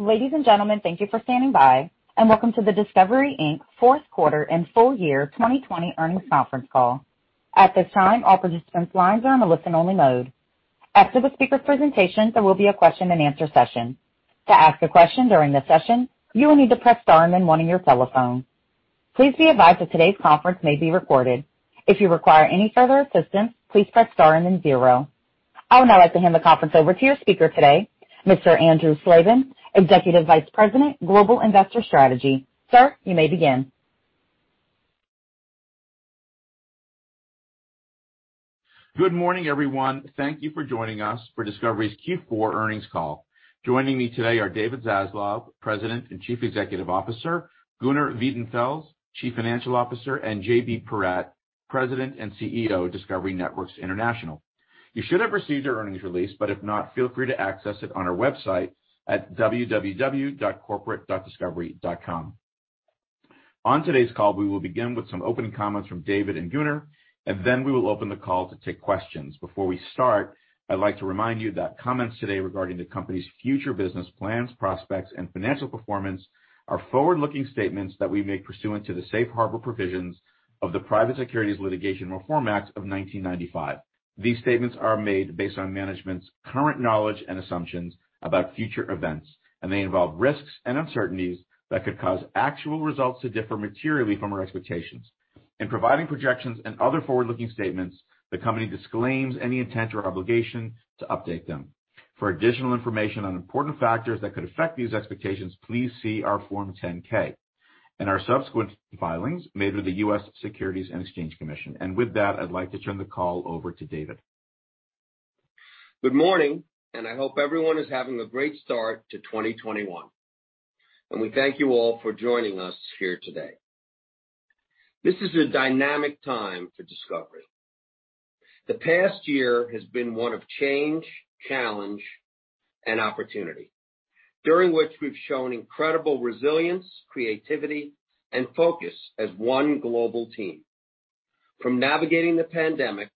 Ladies and gentlemen, thank you for standing by and welcome to the Discovery Inc. Fourth Quarter and Full Year 2020 Earnings Conference Call. At this time, all participants' lines are in a listen-only mode. After the speaker presentation, there will be a question and answer session. To ask a question during the session, you will need to press star and then one on your telephone. Please be advised that today's conference may be recorded. If you require any further assistance, please press star and then zero. I would now like to hand the conference over to your speaker today, Mr. Andrew Slabin, Executive Vice President, Global Investor Strategy. Sir, you may begin. Good morning, everyone. Thank you for joining us for Discovery's Q4 earnings call. Joining me today are David Zaslav, President and Chief Executive Officer, Gunnar Wiedenfels, Chief Financial Officer, and JB Perrette, President and CEO of Discovery Networks International. You should have received our earnings release, but if not, feel free to access it on our website at www.corporate.discovery.com. On today's call, we will begin with some opening comments from David and Gunnar, and then we will open the call to take questions. Before we start, I'd like to remind you that comments today regarding the company's future business plans, prospects, and financial performance are forward-looking statements that we make pursuant to the safe harbor provisions of the Private Securities Litigation Reform Act of 1995. These statements are made based on management's current knowledge and assumptions about future events, and they involve risks and uncertainties that could cause actual results to differ materially from our expectations. In providing projections and other forward-looking statements, the company disclaims any intent or obligation to update them. For additional information on important factors that could affect these expectations, please see our Form 10-K and our subsequent filings made with the U.S. Securities and Exchange Commission. With that, I'd like to turn the call over to David. Good morning. I hope everyone is having a great start to 2021. We thank you all for joining us here today. This is a dynamic time for Discovery. The past year has been one of change, challenge, and opportunity, during which we've shown incredible resilience, creativity, and focus as one global team. From navigating the pandemic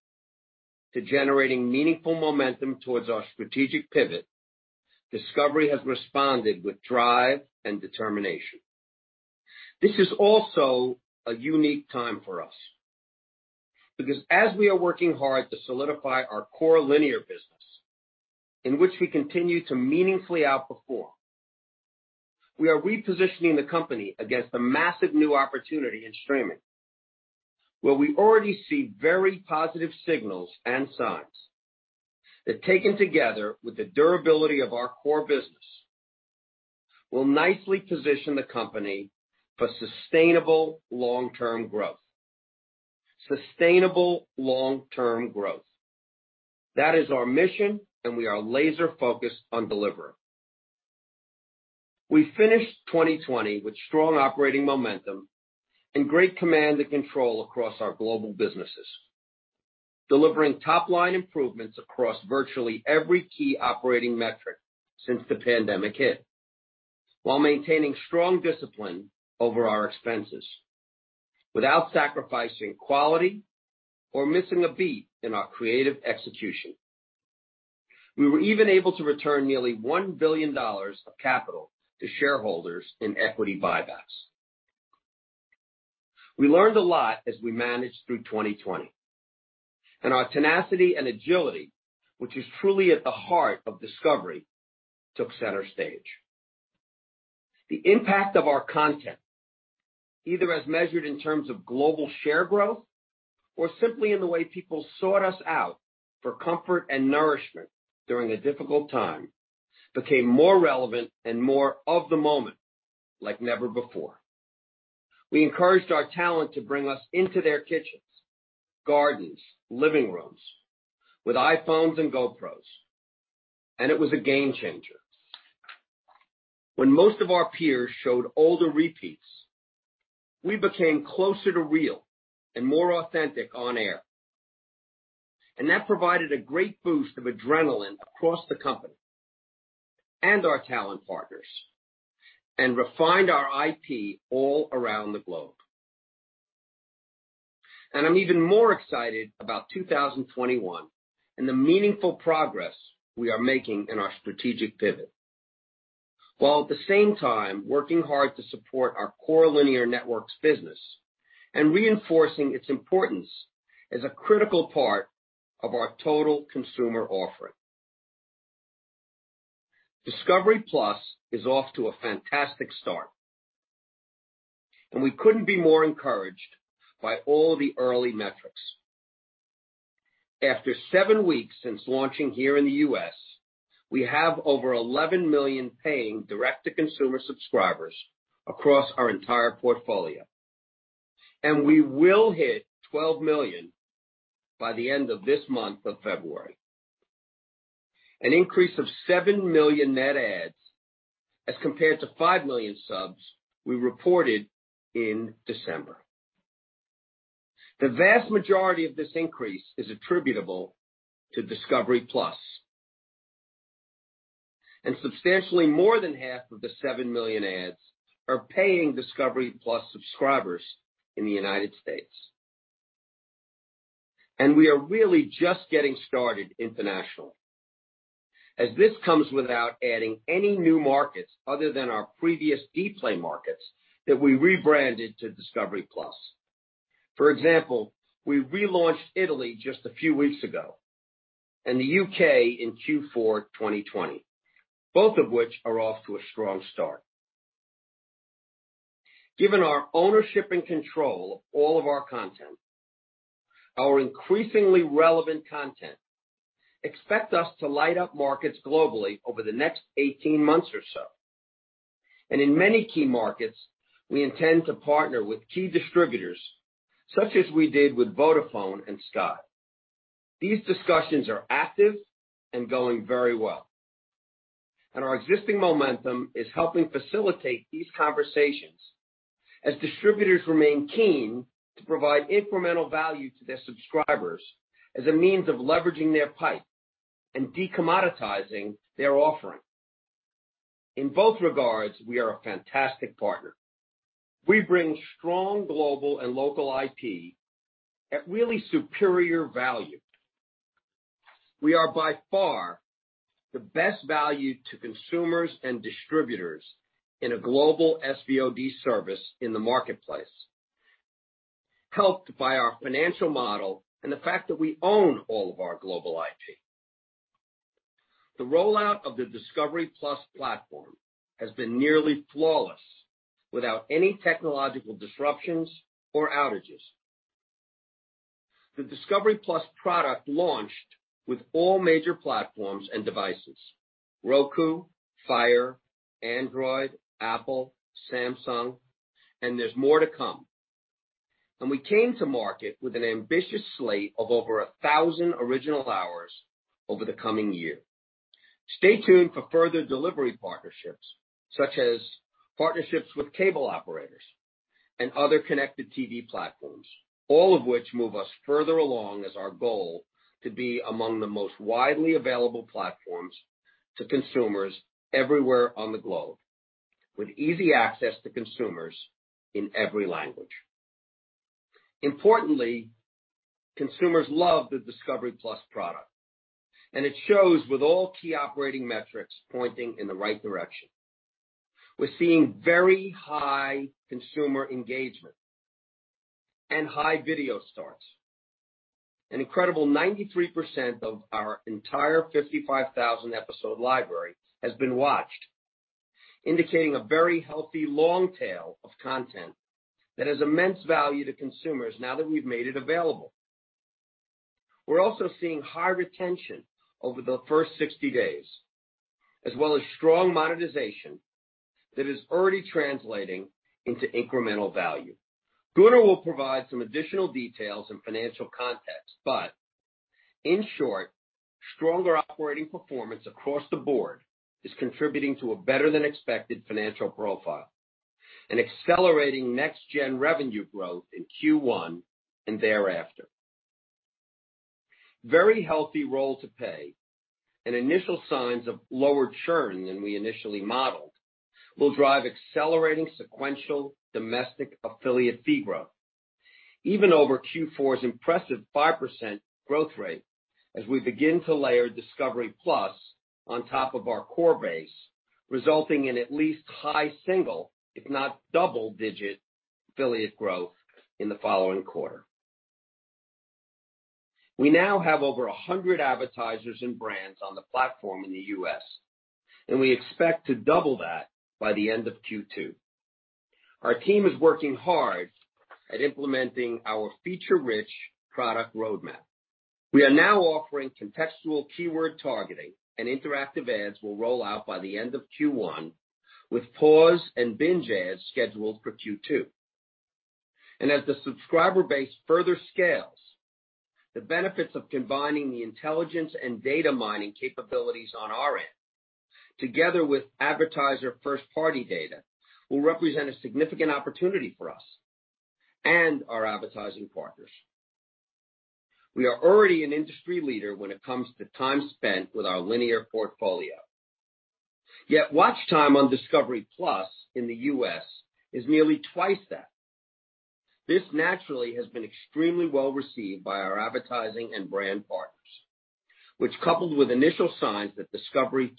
to generating meaningful momentum towards our strategic pivot, Discovery has responded with drive and determination. This is also a unique time for us because as we are working hard to solidify our core linear business, in which we continue to meaningfully outperform, we are repositioning the company against a massive new opportunity in streaming, where we already see very positive signals and signs that, taken together with the durability of our core business, will nicely position the company for sustainable long-term growth. Sustainable long-term growth. That is our mission. We are laser-focused on delivering. We finished 2020 with strong operating momentum and great command and control across our global businesses, delivering top-line improvements across virtually every key operating metric since the pandemic hit while maintaining strong discipline over our expenses. Without sacrificing quality or missing a beat in our creative execution. We were even able to return nearly $1 billion of capital to shareholders in equity buybacks. We learned a lot as we managed through 2020, and our tenacity and agility, which is truly at the heart of Discovery, took center stage. The impact of our content, either as measured in terms of global share growth or simply in the way people sought us out for comfort and nourishment during a difficult time, became more relevant and more of the moment like never before. We encouraged our talent to bring us into their kitchens, gardens, living rooms with iPhones and GoPros, and it was a game changer. When most of our peers showed older repeats, we became closer to real and more authentic on air, and that provided a great boost of adrenaline across the company and our talent partners and refined our IP all around the globe. I'm even more excited about 2021 and the meaningful progress we are making in our strategic pivot, while at the same time working hard to support our core linear networks business and reinforcing its importance as a critical part of our total consumer offering. Discovery+ is off to a fantastic start, and we couldn't be more encouraged by all the early metrics. After seven weeks since launching here in the U.S., we have over 11 million paying direct-to-consumer subscribers across our entire portfolio, and we will hit 12 million by the end of this month of February, an increase of seven million net adds as compared to five million subs we reported in December. The vast majority of this increase is attributable to Discovery+, and substantially more than half of the seven million adds are paying Discovery+ subscribers in the U.S. We are really just getting started international. This comes without adding any new markets other than our previous Dplay markets that we rebranded to Discovery+. For example, we relaunched Italy just a few weeks ago and the U.K. in Q4 2020, both of which are off to a strong start. Given our ownership and control of all of our content, our increasingly relevant content, expect us to light up markets globally over the next 18 months or so. In many key markets, we intend to partner with key distributors such as we did with Vodafone and Sky. These discussions are active and going very well. Our existing momentum is helping facilitate these conversations as distributors remain keen to provide incremental value to their subscribers as a means of leveraging their pipe and de-commoditizing their offering. In both regards, we are a fantastic partner. We bring strong global and local IP at really superior value. We are by far the best value to consumers and distributors in a global SVOD service in the marketplace, helped by our financial model and the fact that we own all of our global IP. The rollout of the Discovery+ platform has been nearly flawless, without any technological disruptions or outages. The Discovery+ product launched with all major platforms and devices, Roku, Fire, Android, Apple, Samsung, there's more to come. We came to market with an ambitious slate of over 1,000 original hours over the coming year. Stay tuned for further delivery partnerships, such as partnerships with cable operators and other connected TV platforms, all of which move us further along as our goal to be among the most widely available platforms to consumers everywhere on the globe, with easy access to consumers in every language. Importantly, consumers love the Discovery+ product, and it shows with all key operating metrics pointing in the right direction. We're seeing very high consumer engagement and high video starts. An incredible 93% of our entire 55,000-episode library has been watched, indicating a very healthy long tail of content that has immense value to consumers now that we've made it available. We're also seeing high retention over the first 60 days, as well as strong monetization that is already translating into incremental value. Gunnar will provide some additional details and financial context. In short, stronger operating performance across the board is contributing to a better-than-expected financial profile and accelerating next-gen revenue growth in Q1 and thereafter. Very healthy roll to pay and initial signs of lower churn than we initially modeled will drive accelerating sequential domestic affiliate fee growth. Even over Q4's impressive 5% growth rate, as we begin to layer Discovery+ on top of our core base, resulting in at least high single, if not double-digit affiliate growth in the following quarter. We now have over 100 advertisers and brands on the platform in the U.S., and we expect to double that by the end of Q2. Our team is working hard at implementing our feature-rich product roadmap. We are now offering contextual keyword targeting and interactive ads will roll out by the end of Q1, with pause and binge ads scheduled for Q2. As the subscriber base further scales, the benefits of combining the intelligence and data mining capabilities on our end, together with advertiser first-party data, will represent a significant opportunity for us and our advertising partners. We are already an industry leader when it comes to time spent with our linear portfolio. Yet watch time on Discovery+ in the U.S. is nearly twice that. This naturally has been extremely well-received by our advertising and brand partners, which coupled with initial signs that Discovery+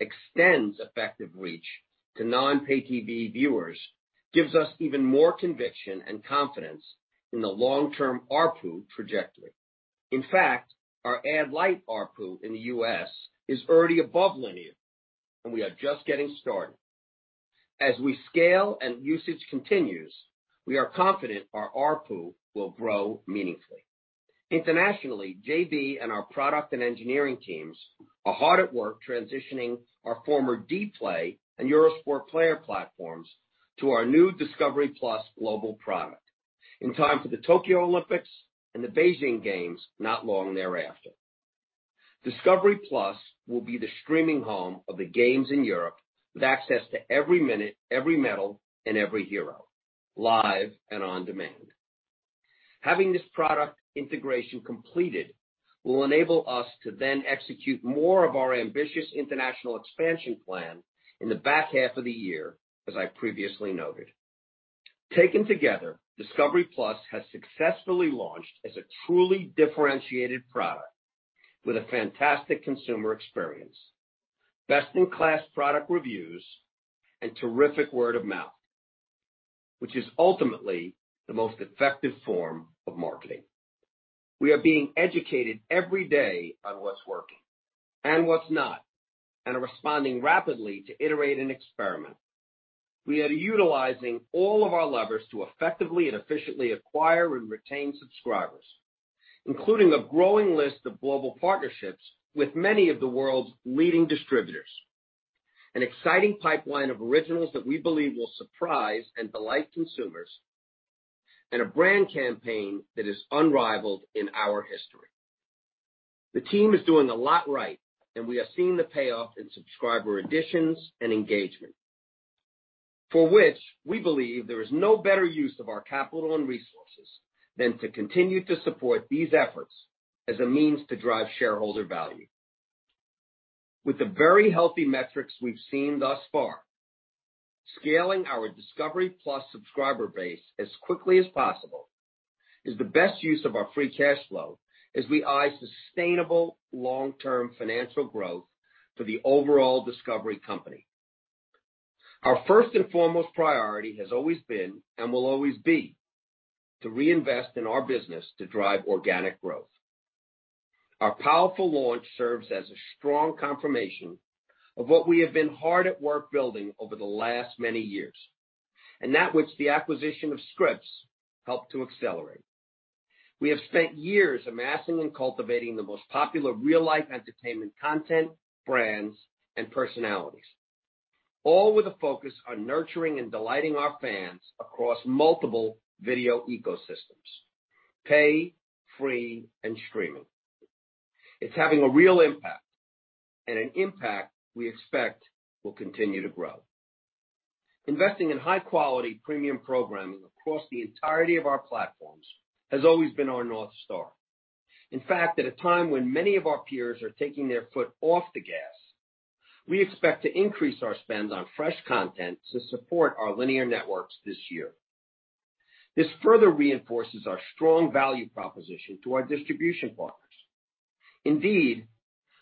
extends effective reach to non-pay TV viewers, gives us even more conviction and confidence in the long-term ARPU trajectory. In fact, our ad-lite ARPU in the U.S. is already above linear. We are just getting started. As we scale and usage continues, we are confident our ARPU will grow meaningfully. Internationally, JB and our product and engineering teams are hard at work transitioning our former Dplay and Eurosport Player platforms to our new Discovery+ global product in time for the Tokyo Olympics and the Beijing Games not long thereafter. Discovery+ will be the streaming home of the games in Europe with access to every minute, every medal, and every hero, live and on demand. Having this product integration completed will enable us to then execute more of our ambitious international expansion plan in the back half of the year, as I previously noted. Taken together, Discovery+ has successfully launched as a truly differentiated product with a fantastic consumer experience, best-in-class product reviews, and terrific word of mouth, which is ultimately the most effective form of marketing. We are being educated every day on what's working and what's not, and are responding rapidly to iterate and experiment. We are utilizing all of our levers to effectively and efficiently acquire and retain subscribers, including a growing list of global partnerships with many of the world's leading distributors, an exciting pipeline of originals that we believe will surprise and delight consumers, and a brand campaign that is unrivaled in our history. The team is doing a lot right, and we are seeing the payoff in subscriber additions and engagement, for which we believe there is no better use of our capital and resources than to continue to support these efforts as a means to drive shareholder value. With the very healthy metrics we've seen thus far, scaling our Discovery+ subscriber base as quickly as possible is the best use of our free cash flow as we eye sustainable long-term financial growth for the overall Discovery, Inc. Our first and foremost priority has always been, and will always be, to reinvest in our business to drive organic growth. Our powerful launch serves as a strong confirmation of what we have been hard at work building over the last many years, and that which the acquisition of Scripps helped to accelerate. We have spent years amassing and cultivating the most popular real-life entertainment content, brands, and personalities, all with a focus on nurturing and delighting our fans across multiple video ecosystems: pay, free, and streaming. It's having a real impact, and an impact we expect will continue to grow. Investing in high-quality premium programming across the entirety of our platforms has always been our North Star. In fact, at a time when many of our peers are taking their foot off the gas, we expect to increase our spend on fresh content to support our linear networks this year. This further reinforces our strong value proposition to our distribution partners. Indeed,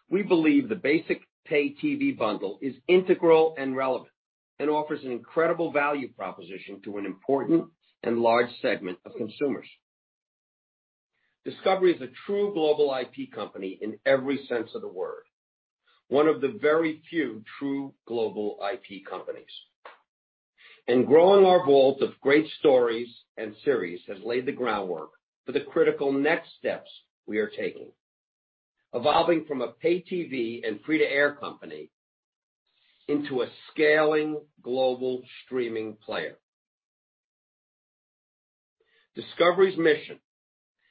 we believe the basic pay TV bundle is integral and relevant and offers an incredible value proposition to an important and large segment of consumers. Discovery is a true global IP company in every sense of the word, one of the very few true global IP companies. Growing our vault of great stories and series has laid the groundwork for the critical next steps we are taking. Evolving from a pay TV and free-to-air company into a scaling global streaming player. Discovery's mission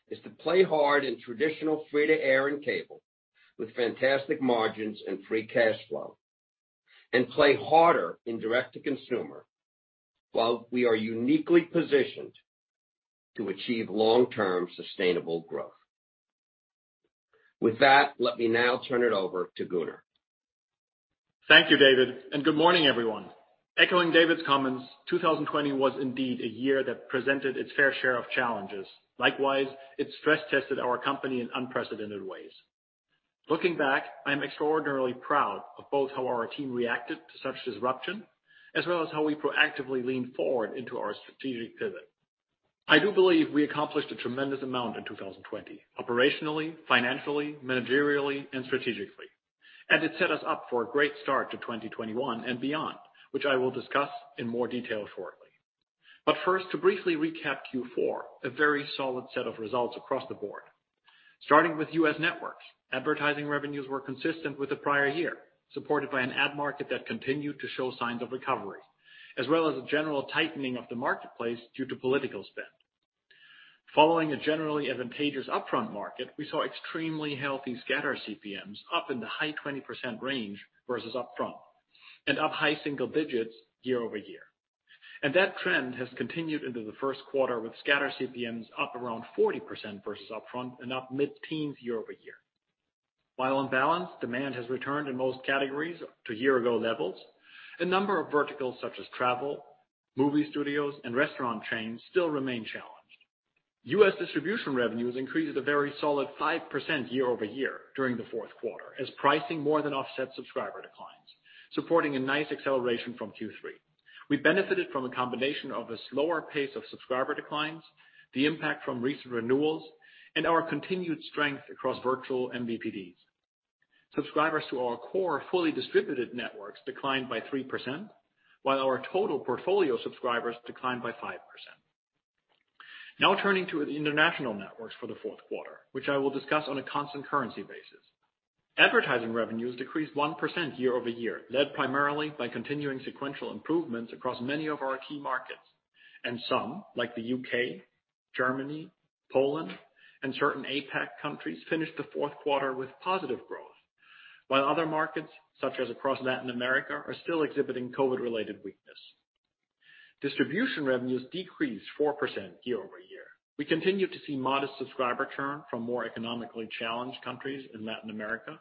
is to play hard in traditional free-to-air and cable with fantastic margins and free cash flow, and play harder in direct-to-consumer while we are uniquely positioned to achieve long-term sustainable growth. With that, let me now turn it over to Gunnar. Thank you, David, good morning, everyone. Echoing David's comments, 2020 was indeed a year that presented its fair share of challenges. Likewise, it stress-tested our company in unprecedented ways. Looking back, I'm extraordinarily proud of both how our team reacted to such disruption, as well as how we proactively leaned forward into our strategic pivot. I do believe we accomplished a tremendous amount in 2020, operationally, financially, managerially, and strategically. It set us up for a great start to 2021 and beyond, which I will discuss in more detail shortly. First, to briefly recap Q4, a very solid set of results across the board. Starting with U.S. networks, advertising revenues were consistent with the prior year, supported by an ad market that continued to show signs of recovery, as well as a general tightening of the marketplace due to political spend. Following a generally advantageous upfront market, we saw extremely healthy scatter CPMs up in the high 20% range versus upfront, and up high single digits year-over-year. That trend has continued into the first quarter with scatter CPMs up around 40% versus upfront and up mid-teens year-over-year. While on balance, demand has returned in most categories to year-ago levels, a number of verticals such as travel, movie studios, and restaurant chains still remain challenged. U.S. distribution revenues increased a very solid 5% year-over-year during the fourth quarter as pricing more than offset subscriber declines, supporting a nice acceleration from Q3. We benefited from a combination of a slower pace of subscriber declines, the impact from recent renewals, and our continued strength across virtual MVPDs. Subscribers to our core fully distributed networks declined by 3%, while our total portfolio subscribers declined by 5%. Now turning to the international networks for the fourth quarter, which I will discuss on a constant currency basis. Advertising revenues decreased 1% year-over-year, led primarily by continuing sequential improvements across many of our key markets. Some, like the U.K., Germany, Poland, and certain APAC countries, finished the fourth quarter with positive growth. While other markets, such as across Latin America, are still exhibiting COVID-related weakness. Distribution revenues decreased 4% year-over-year. We continued to see modest subscriber churn from more economically challenged countries in Latin America.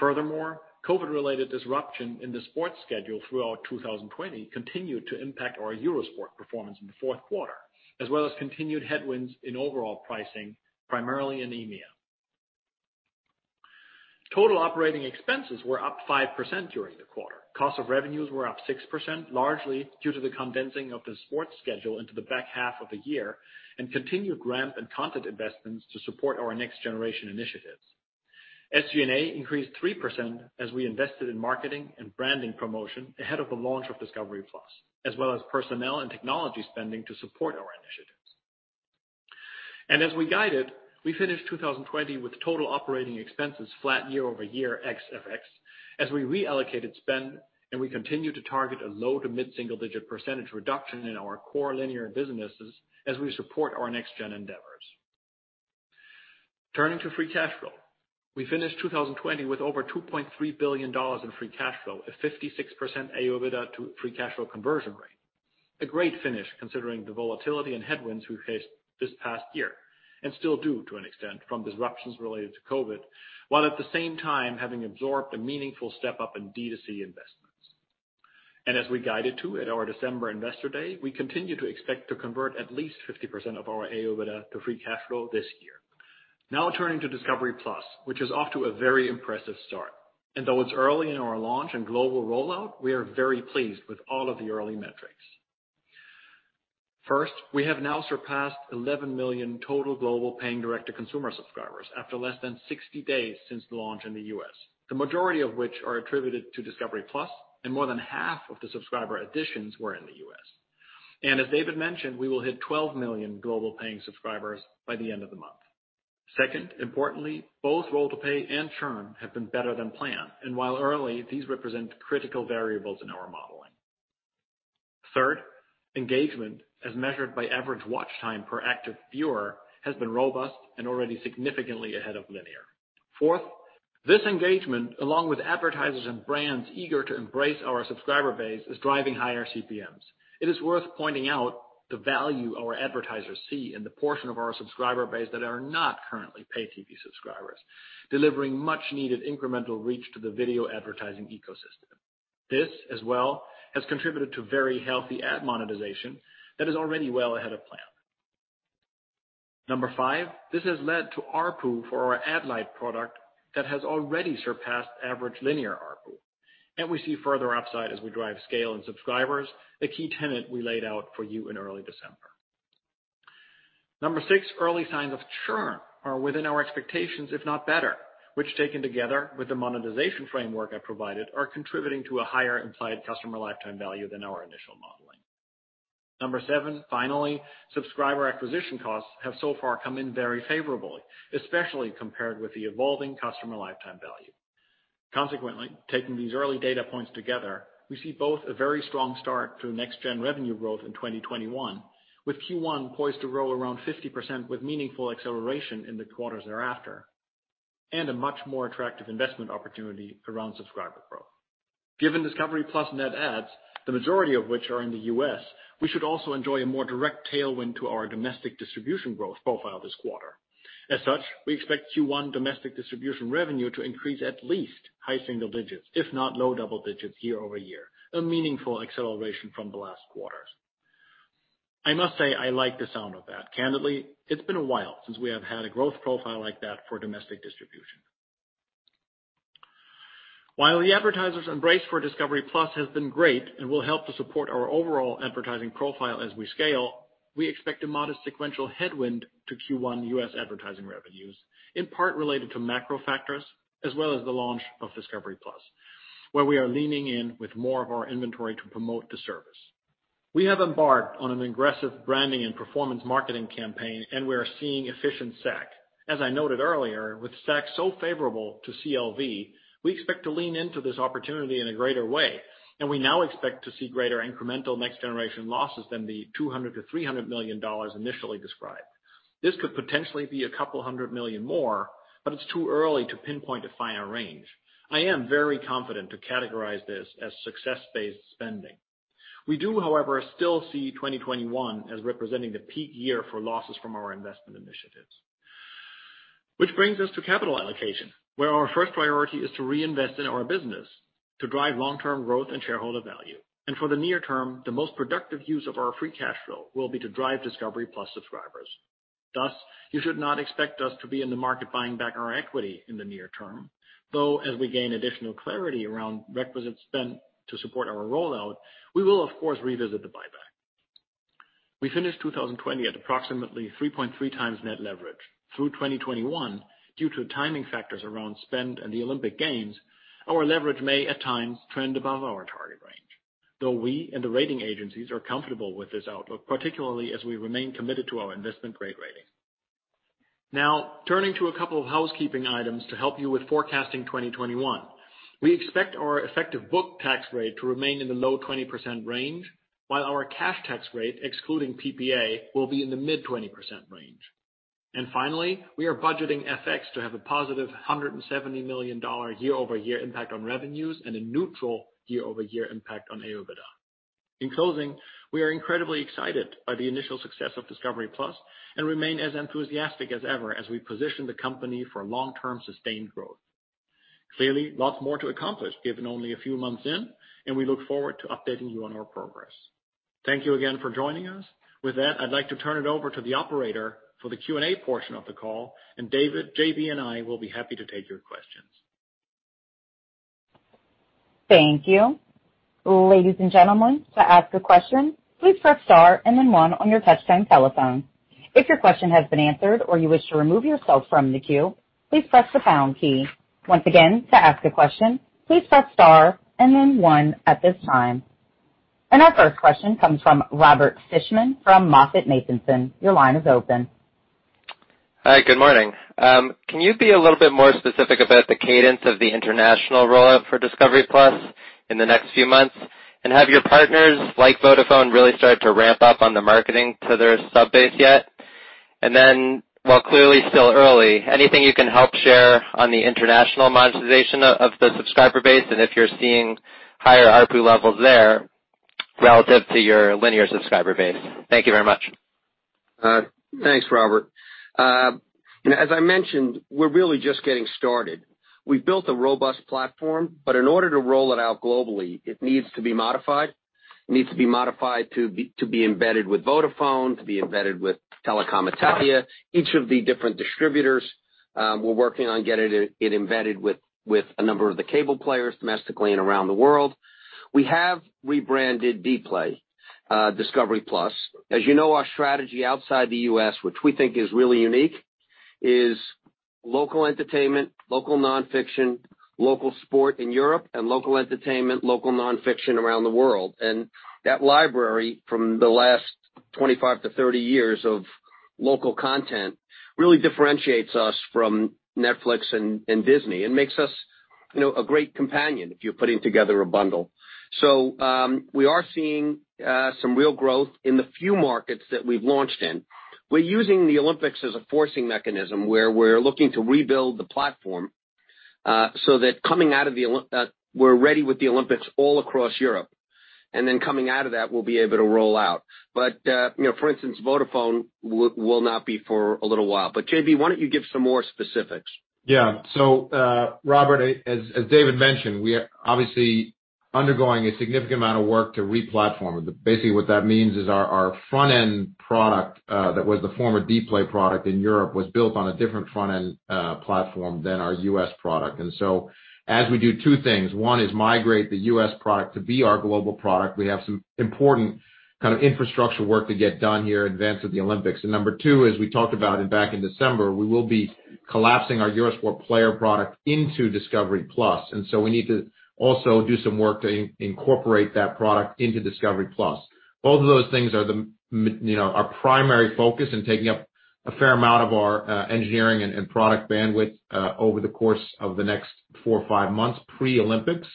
Furthermore, COVID-related disruption in the sports schedule throughout 2020 continued to impact our Eurosport performance in the fourth quarter, as well as continued headwinds in overall pricing, primarily in EMEA. Total operating expenses were up 5% during the quarter. Cost of revenues were up 6%, largely due to the condensing of the sports schedule into the back half of the year, and continued ramp and content investments to support our next generation initiatives. SG&A increased 3% as we invested in marketing and branding promotion ahead of the launch of Discovery+, as well as personnel and technology spending to support our initiatives. As we guided, we finished 2020 with total operating expenses flat year-over-year ex FX, as we reallocated spend and we continued to target a low to mid-single-digit percentage reduction in our core linear businesses as we support our next gen endeavors. Turning to free cash flow. We finished 2020 with over $2.3 billion in free cash flow, a 56% Adjusted OIBDA to free cash flow conversion rate. A great finish considering the volatility and headwinds we faced this past year, and still do to an extent from disruptions related to COVID, while at the same time having absorbed a meaningful step-up in D2C investments. As we guided to at our December investor day, we continue to expect to convert at least 50% of our Adjusted OIBDA to free cash flow this year. Now turning to Discovery+, which is off to a very impressive start. Though it's early in our launch and global rollout, we are very pleased with all of the early metrics. First, we have now surpassed $11 million total global paying direct-to-consumer subscribers after less than 60 days since the launch in the U.S., the majority of which are attributed to Discovery+, and more than half of the subscriber additions were in the U.S. As David mentioned, we will hit 12 million global paying subscribers by the end of the month. Second, importantly, both roll to pay and churn have been better than planned, and while early, these represent critical variables in our modeling. Third, engagement as measured by average watch time per active viewer, has been robust and already significantly ahead of linear. Fourth, this engagement, along with advertisers and brands eager to embrace our subscriber base, is driving higher CPMs. It is worth pointing out the value our advertisers see in the portion of our subscriber base that are not currently pay TV subscribers, delivering much-needed incremental reach to the video advertising ecosystem. This, as well, has contributed to very healthy ad monetization that is already well ahead of plan. Number 5, this has led to ARPU for our ad light product that has already surpassed average linear ARPU, and we see further upside as we drive scale and subscribers, a key tenet we laid out for you in early December. Number 6, early signs of churn are within our expectations, if not better, which taken together with the monetization framework I provided, are contributing to a higher implied customer lifetime value than our initial modeling. Number 7, finally, subscriber acquisition costs have so far come in very favorably, especially compared with the evolving customer lifetime value. Consequently, taking these early data points together, we see both a very strong start to next gen revenue growth in 2021, with Q1 poised to grow around 50% with meaningful acceleration in the quarters thereafter, and a much more attractive investment opportunity around subscriber growth. Given Discovery+ net adds, the majority of which are in the U.S., we should also enjoy a more direct tailwind to our domestic distribution growth profile this quarter. As such, we expect Q1 domestic distribution revenue to increase at least high single digits if not low double digits year-over-year, a meaningful acceleration from the last quarters. I must say, I like the sound of that. Candidly, it's been a while since we have had a growth profile like that for domestic distribution. While the advertisers embrace for Discovery+ has been great and will help to support our overall advertising profile as we scale, we expect a modest sequential headwind to Q1 U.S. advertising revenues, in part related to macro factors as well as the launch of Discovery+, where we are leaning in with more of our inventory to promote the service. We have embarked on an aggressive branding and performance marketing campaign, and we are seeing efficient SAC. As I noted earlier, with SAC so favorable to CLV, we expect to lean into this opportunity in a greater way, and we now expect to see greater incremental next generation losses than the $200 million-$300 million initially described. This could potentially be a couple hundred million more, but it's too early to pinpoint a final range. I am very confident to categorize this as success-based spending. We do, however, still see 2021 as representing the peak year for losses from our investment initiatives. Which brings us to capital allocation, where our first priority is to reinvest in our business to drive long-term growth and shareholder value. For the near term, the most productive use of our free cash flow will be to drive Discovery+ subscribers. Thus, you should not expect us to be in the market buying back our equity in the near term, though as we gain additional clarity around requisite spend to support our rollout, we will of course revisit the buyback. We finished 2020 at approximately 3.3 times net leverage. Through 2021, due to timing factors around spend and the Olympic Games, our leverage may at times trend above our target range. Though we and the rating agencies are comfortable with this outlook, particularly as we remain committed to our investment-grade rating. Turning to a couple of housekeeping items to help you with forecasting 2021. We expect our effective book tax rate to remain in the low 20% range, while our cash tax rate, excluding PPA, will be in the mid-20% range. Finally, we are budgeting FX to have a positive $170 million year-over-year impact on revenues and a neutral year-over-year impact on Adjusted OIBDA. In closing, we are incredibly excited by the initial success of Discovery+ and remain as enthusiastic as ever as we position the company for long-term sustained growth. Clearly, lots more to accomplish given only a few months in, and we look forward to updating you on our progress. Thank you again for joining us. With that, I'd like to turn it over to the operator for the Q&A portion of the call, and David, JB, and I will be happy to take your questions. Thank you. Ladies and gentlemen to ask a question please press star and then one on your touch tone telephone. If your question has been answered and you wish to remove yourself from the queue please press the pound key. Once again to ask a question please press star and then one at this time. Our first question comes from Robert Fishman from MoffettNathanson. Your line is open. Hi, good morning. Can you be a little bit more specific about the cadence of the international rollout for Discovery+ in the next few months? Have your partners, like Vodafone, really started to ramp up on the marketing to their sub-base yet? While clearly still early, anything you can help share on the international monetization of the subscriber base and if you're seeing higher ARPU levels there relative to your linear subscriber base. Thank you very much. Thanks, Robert. As I mentioned, we're really just getting started. We've built a robust platform. In order to roll it out globally, it needs to be modified. It needs to be modified to be embedded with Vodafone, to be embedded with Telecom Italia, each of the different distributors. We're working on getting it embedded with a number of the cable players domestically and around the world. We have rebranded Dplay Discovery+. As you know, our strategy outside the U.S., which we think is really unique, is local entertainment, local nonfiction, local sport in Europe, and local entertainment, local nonfiction around the world. That library from the last 25-30 years of local content really differentiates us from Netflix and Disney and makes us a great companion if you're putting together a bundle. We are seeing some real growth in the few markets that we've launched in. We're using the Olympics as a forcing mechanism where we're looking to rebuild the platform so that we're ready with the Olympics all across Europe. Coming out of that, we'll be able to roll out. For instance, Vodafone will not be for a little while. JB, why don't you give some more specifics? Robert, as David mentioned, we are obviously undergoing a significant amount of work to re-platform. Basically what that means is our front-end product that was the former Dplay product in Europe was built on a different front-end platform than our U.S. product. As we do two things, one is migrate the U.S. product to be our global product. We have some important kind of infrastructure work to get done here in advance of the Olympics. Number two is we talked about it back in December, we will be collapsing our Eurosport Player product into Discovery+. We need to also do some work to incorporate that product into Discovery+. Both of those things are our primary focus and taking up a fair amount of our engineering and product bandwidth over the course of the next four or five months pre-Olympics.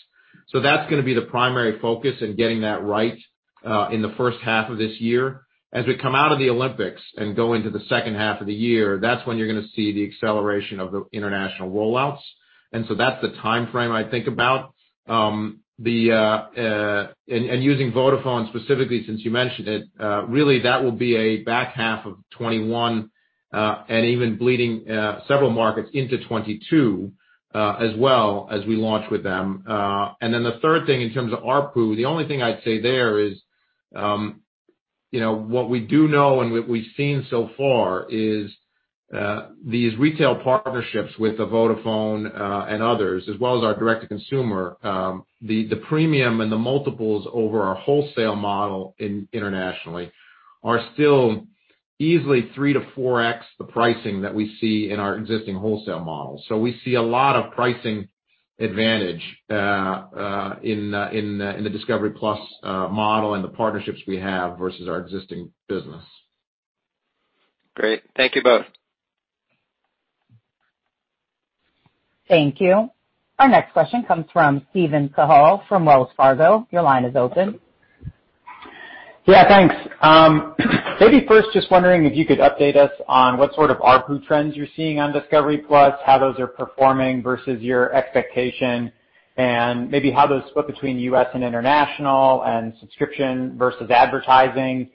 That's going to be the primary focus in getting that right in the first half of this year. As we come out of the Olympics and go into the second half of the year, that's when you're going to see the acceleration of the international rollouts. That's the timeframe I'd think about. Using Vodafone specifically since you mentioned it, really that will be a back half of 2021, and even bleeding several markets into 2022 as well as we launch with them. The third thing in terms of ARPU, the only thing I'd say there is what we do know and what we've seen so far is these retail partnerships with the Vodafone and others, as well as our direct-to-consumer, the premium and the multiples over our wholesale model internationally are still easily 3x to 4x the pricing that we see in our existing wholesale model. We see a lot of pricing advantage in the Discovery+ model and the partnerships we have versus our existing business. Great. Thank you both. Thank you. Our next question comes from Steven Cahall from Wells Fargo. Your line is open. Yeah, thanks. Maybe first just wondering if you could update us on what sort of ARPU trends you're seeing on Discovery+, how those are performing versus your expectation, and maybe how those split between U.S. and international and subscription versus advertising.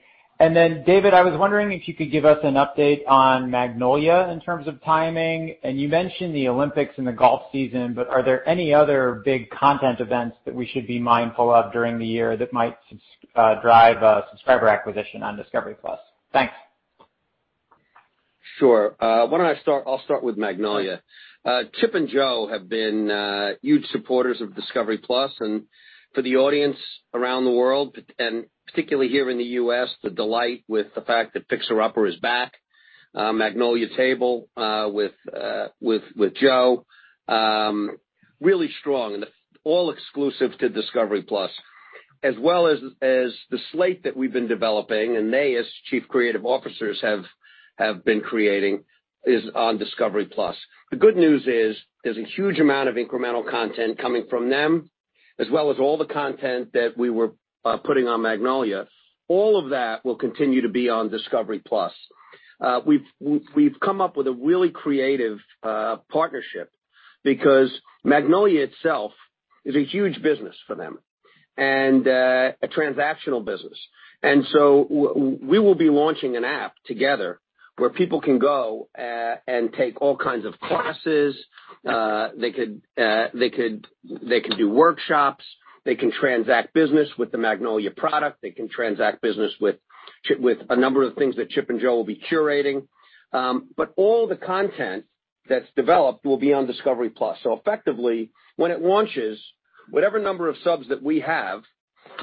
David, I was wondering if you could give us an update on Magnolia in terms of timing. You mentioned the Olympics and the golf season, but are there any other big content events that we should be mindful of during the year that might drive subscriber acquisition on Discovery+? Thanks. Sure. Why don't I start? I'll start with Magnolia. Chip and Jo have been huge supporters of Discovery+. For the audience around the world, and particularly here in the U.S., the delight with the fact that Fixer Upper is back. Magnolia Table with Jo, really strong and all exclusive to Discovery+, as well as the slate that we've been developing and they as chief creative officers have been creating is on Discovery+. The good news is there's a huge amount of incremental content coming from them, as well as all the content that we were putting on Magnolia. All of that will continue to be on Discovery+. We've come up with a really creative partnership because Magnolia itself is a huge business for them, and a transactional business. We will be launching an app together where people can go and take all kinds of classes. They can do workshops. They can transact business with the Magnolia product. They can transact business with a number of things that Chip and Jo will be curating. All the content that's developed will be on Discovery+. Effectively, when it launches, whatever number of subs that we have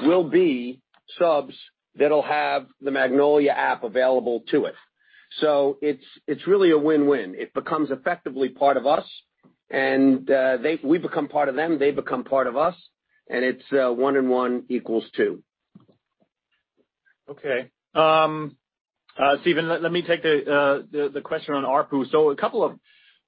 will be subs that'll have the Magnolia app available to it. It's really a win-win. It becomes effectively part of us, and we become part of them, they become part of us, and it's one and one equals two. Steven, let me take the question on ARPU. A couple of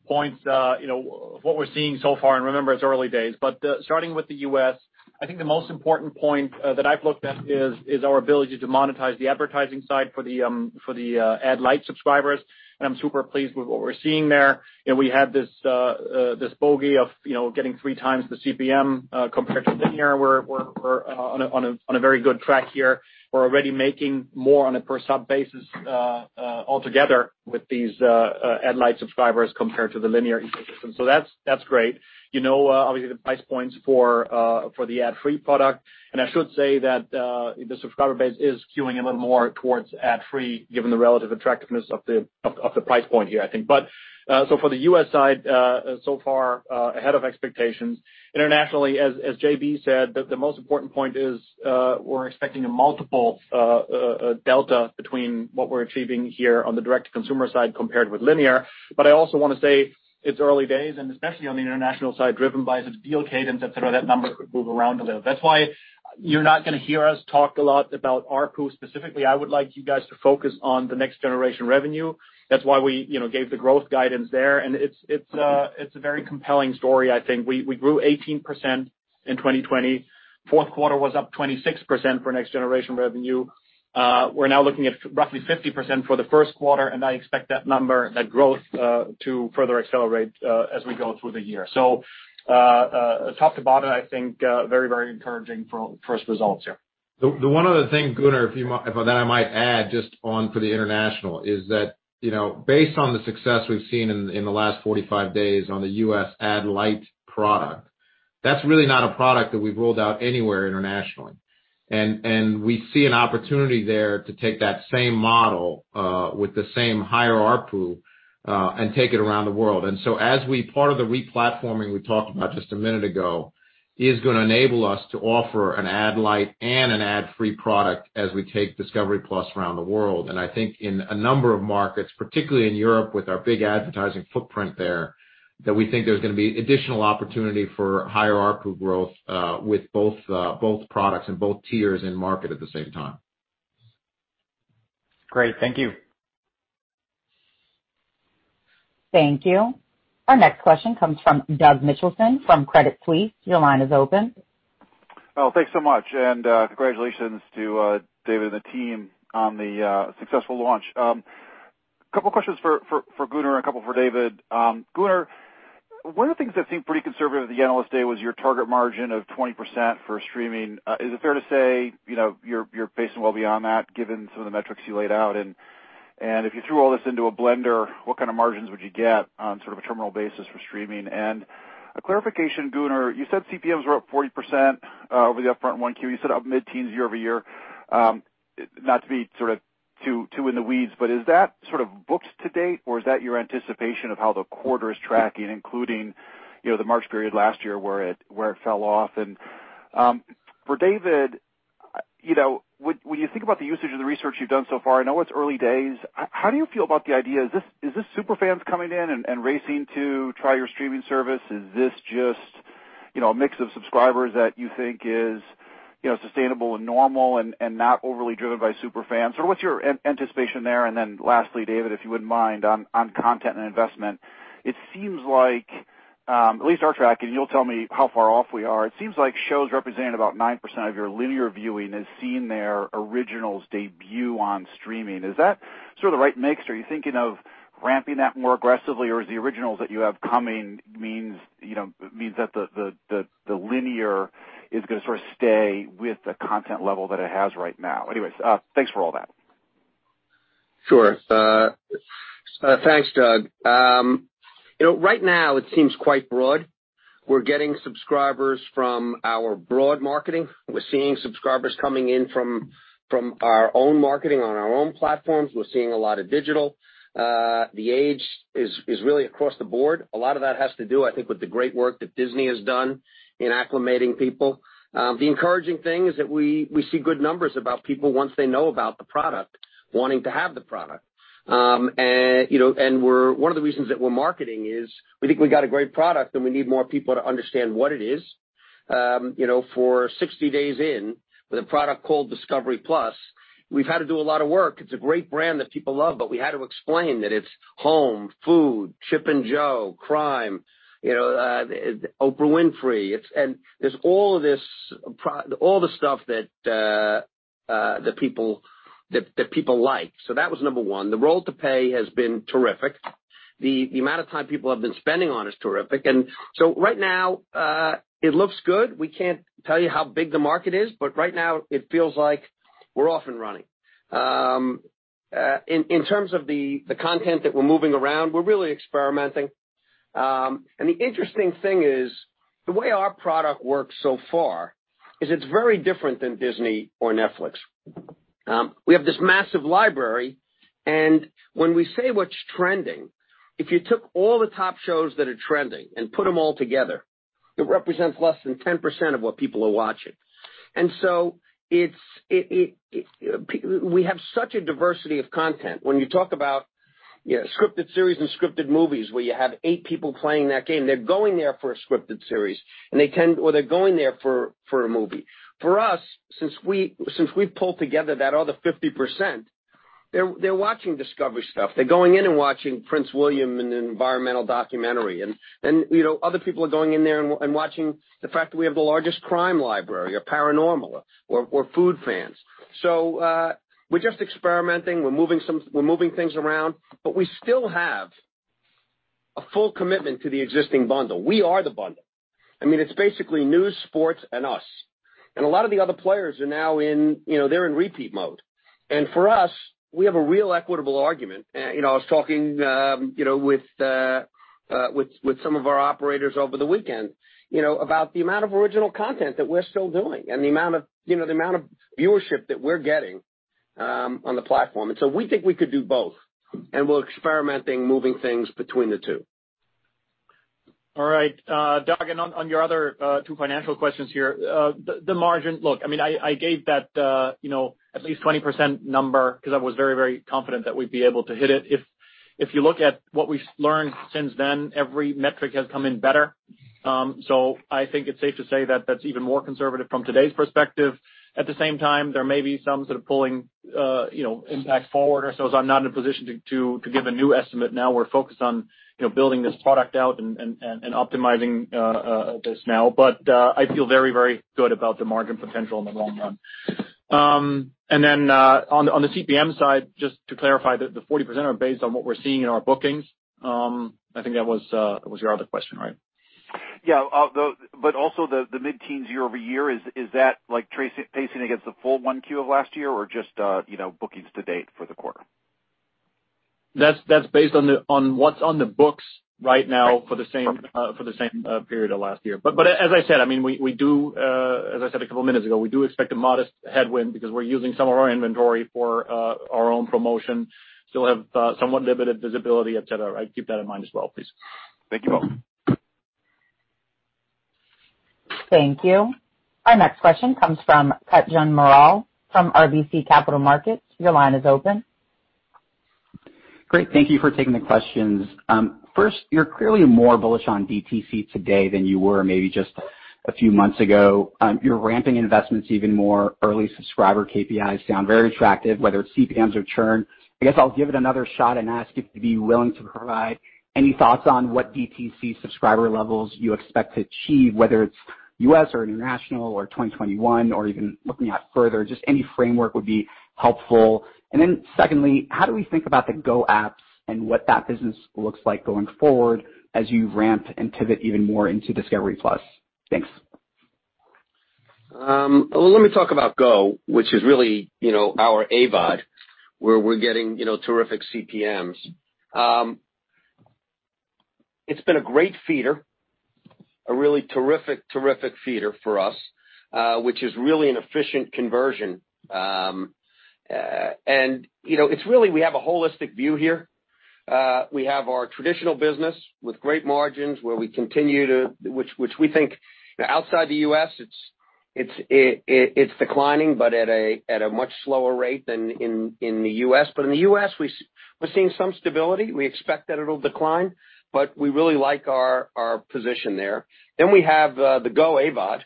points. What we're seeing so far, remember, it's early days, starting with the U.S., I think the most important point that I've looked at is our ability to monetize the advertising side for the ad-light subscribers, I'm super pleased with what we're seeing there. We have this bogey of getting three times the CPM compared to linear. We're on a very good track here. We're already making more on a per sub basis altogether with these ad-light subscribers compared to the linear ecosystem. That's great. Obviously, the price points for the ad-free product, I should say that the subscriber base is skewing a little more towards ad-free given the relative attractiveness of the price point here, I think. For the U.S. side, so far ahead of expectations. Internationally, as JB said, the most important point is we're expecting a multiple delta between what we're achieving here on the direct-to-consumer side compared with linear. I also want to say it's early days, and especially on the international side, driven by the deal cadence, et cetera, that number could move around a little. That's why you're not going to hear us talk a lot about ARPU specifically. I would like you guys to focus on the next-generation revenue. That's why we gave the growth guidance there, and it's a very compelling story, I think. We grew 18% in 2020. Fourth quarter was up 26% for next-generation revenue. We're now looking at roughly 50% for the first quarter, and I expect that number, that growth, to further accelerate as we go through the year. Top to bottom, I think very encouraging for first results here. The one other thing, Gunnar, that I might add just on for the international is that based on the success we've seen in the last 45 days on the U.S. ad-light product, that's really not a product that we've rolled out anywhere internationally. We see an opportunity there to take that same model with the same higher ARPU and take it around the world. Part of the re-platforming we talked about just a minute ago is going to enable us to offer an ad-light and an ad-free product as we take Discovery+ around the world. I think in a number of markets, particularly in Europe with our big advertising footprint there, that we think there's going to be additional opportunity for higher ARPU growth with both products and both tiers in market at the same time. Great. Thank you. Thank you. Our next question comes from Douglas Mitchelson from Credit Suisse. Your line is open. Well, thanks so much. Congratulations to David and the team on the successful launch. Couple questions for Gunnar and a couple for David. Gunnar, one of the things I think pretty conservative at the analyst day was your target margin of 20% for streaming. Is it fair to say you're pacing well beyond that given some of the metrics you laid out? If you threw all this into a blender, what kind of margins would you get on sort of a terminal basis for streaming? A clarification, Gunnar. You said CPMs were up 40% over the upfront 1Q. You said up mid-teens year-over-year. Not to be sort of too in the weeds, but is that sort of booked to date, or is that your anticipation of how the quarter is tracking, including the March period last year where it fell off? For David, when you think about the usage of the research you've done so far, I know it's early days. How do you feel about the idea? Is this super fans coming in and racing to try your streaming service? Is this just a mix of subscribers that you think is sustainable and normal and not overly driven by super fans? What's your anticipation there? Lastly, David, if you wouldn't mind, on content and investment. It seems like, at least our tracking, you'll tell me how far off we are. It seems like shows representing about 9% of your linear viewing has seen their originals debut on streaming. Is that sort of the right mix, or are you thinking of ramping that more aggressively, or is the originals that you have coming means that the linear is going to sort of stay with the content level that it has right now? Anyways, thanks for all that. Sure. Thanks, Doug. Right now it seems quite broad. We're getting subscribers from our broad marketing. We're seeing subscribers coming in from our own marketing on our own platforms. We're seeing a lot of digital. The age is really across the board. A lot of that has to do, I think, with the great work that Disney has done in acclimating people. The encouraging thing is that we see good numbers about people once they know about the product, wanting to have the product. One of the reasons that we're marketing is we think we've got a great product, and we need more people to understand what it is. For 60 days in, with a product called Discovery+, we've had to do a lot of work. It's a great brand that people love, but we had to explain that it's home, food, Chip and Jo, crime, Oprah Winfrey. There's all the stuff that people like. That was number one. The roll to pay has been terrific. The amount of time people have been spending on is terrific. Right now, it looks good. We can't tell you how big the market is, but right now it feels like we're off and running. In terms of the content that we're moving around, we're really experimenting. The interesting thing is, the way our product works so far is it's very different than Disney or Netflix. We have this massive library, and when we say what's trending, if you took all the top shows that are trending and put them all together, it represents less than 10% of what people are watching. We have such a diversity of content. When you talk about scripted series and scripted movies, where you have eight people playing that game, they're going there for a scripted series, or they're going there for a movie. For us, since we've pulled together that other 50%, they're watching Discovery stuff. They're going in and watching Prince William in an environmental documentary. Other people are going in there and watching the fact that we have the largest crime library or paranormal or food fans. We're just experimenting. We're moving things around, but we still have a full commitment to the existing bundle. We are the bundle. It's basically news, sports, and us. A lot of the other players are now in repeat mode. For us, we have a real equitable argument. I was talking with some of our operators over the weekend about the amount of original content that we're still doing and the amount of viewership that we're getting on the platform. We think we could do both, and we're experimenting, moving things between the two. All right, Doug. On your other two financial questions here, the margin. Look, I gave that at least 20% number because I was very confident that we'd be able to hit it. If you look at what we've learned since then, every metric has come in better. I think it's safe to say that that's even more conservative from today's perspective. At the same time, there may be some sort of pulling impact forward or so as I'm not in a position to give a new estimate now. We're focused on building this product out and optimizing this now. I feel very good about the margin potential in the long run. On the CPM side, just to clarify, the 40% are based on what we're seeing in our bookings. I think that was your other question, right? Yeah. Also the mid-teens year-over-year, is that pacing against the full one Q of last year or just bookings to date for the quarter? That's based on what's on the books right now for the same period of last year. As I said a couple of minutes ago, we do expect a modest headwind because we're using some of our inventory for our own promotion. Still have somewhat limited visibility, et cetera. Keep that in mind as well, please. Thank you. Thank you. Our next question comes from Kutgun Maral from RBC Capital Markets. Your line is open. Great. Thank you for taking the questions. First, you're clearly more bullish on DTC today than you were maybe just a few months ago. You're ramping investments even more. Early subscriber KPIs sound very attractive, whether it's CPMs or churn. I guess I'll give it another shot and ask if you'd be willing to provide any thoughts on what DTC subscriber levels you expect to achieve, whether it's U.S. or international or 2021 or even looking out further. Just any framework would be helpful. And then secondly, how do we think about the Go apps and what that business looks like going forward as you ramp and pivot even more into Discovery+? Thanks. Let me talk about Discovery GO, which is really our AVOD, where we're getting terrific CPMs. It's been a great feeder, a really terrific feeder for us, which is really an efficient conversion. We have a holistic view here. We have our traditional business with great margins, which we think outside the U.S., it's declining, but at a much slower rate than in the U.S. In the U.S., we're seeing some stability. We expect that it'll decline, but we really like our position there. We have the Discovery GO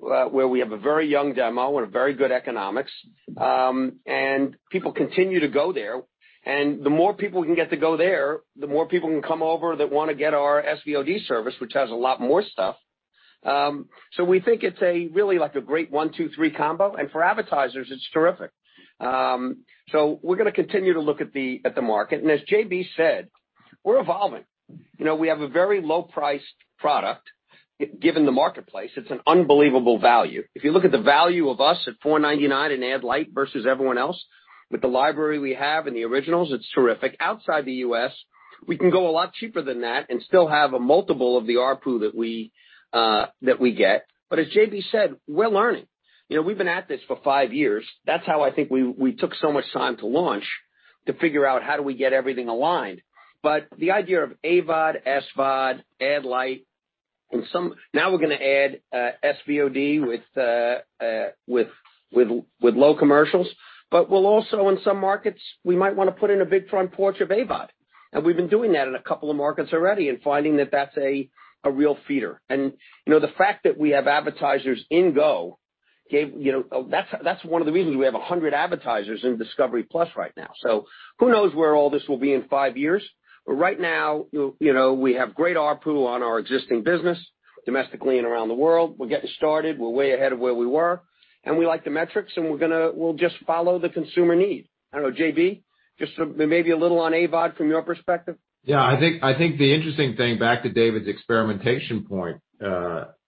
AVOD, where we have a very young demo and a very good economics. People continue to go there. The more people we can get to go there, the more people can come over that want to get our SVOD service, which has a lot more stuff. We think it's really a great one, two, three combo. For advertisers, it's terrific. We're going to continue to look at the market. As JB said, we're evolving. We have a very low-priced product. Given the marketplace, it's an unbelievable value. If you look at the value of us at $4.99 in ad light versus everyone else with the library we have and the originals, it's terrific. Outside the U.S., we can go a lot cheaper than that and still have a multiple of the ARPU that we get. As JB said, we're learning. We've been at this for five years. That's how I think we took so much time to launch to figure out how do we get everything aligned. The idea of AVOD, SVOD, ad light. Now we're going to add SVOD with low commercials. We'll also in some markets, we might want to put in a big front porch of AVOD. We've been doing that in a couple of markets already and finding that that's a real feeder. The fact that we have advertisers in Discovery GO, that's one of the reasons we have 100 advertisers in discovery+ right now. Who knows where all this will be in five years. Right now we have great ARPU on our existing business, domestically and around the world. We're getting started. We're way ahead of where we were, and we like the metrics, and we'll just follow the consumer need. I don't know, JB, just maybe a little on AVOD from your perspective. Yeah. I think the interesting thing, back to David's experimentation point,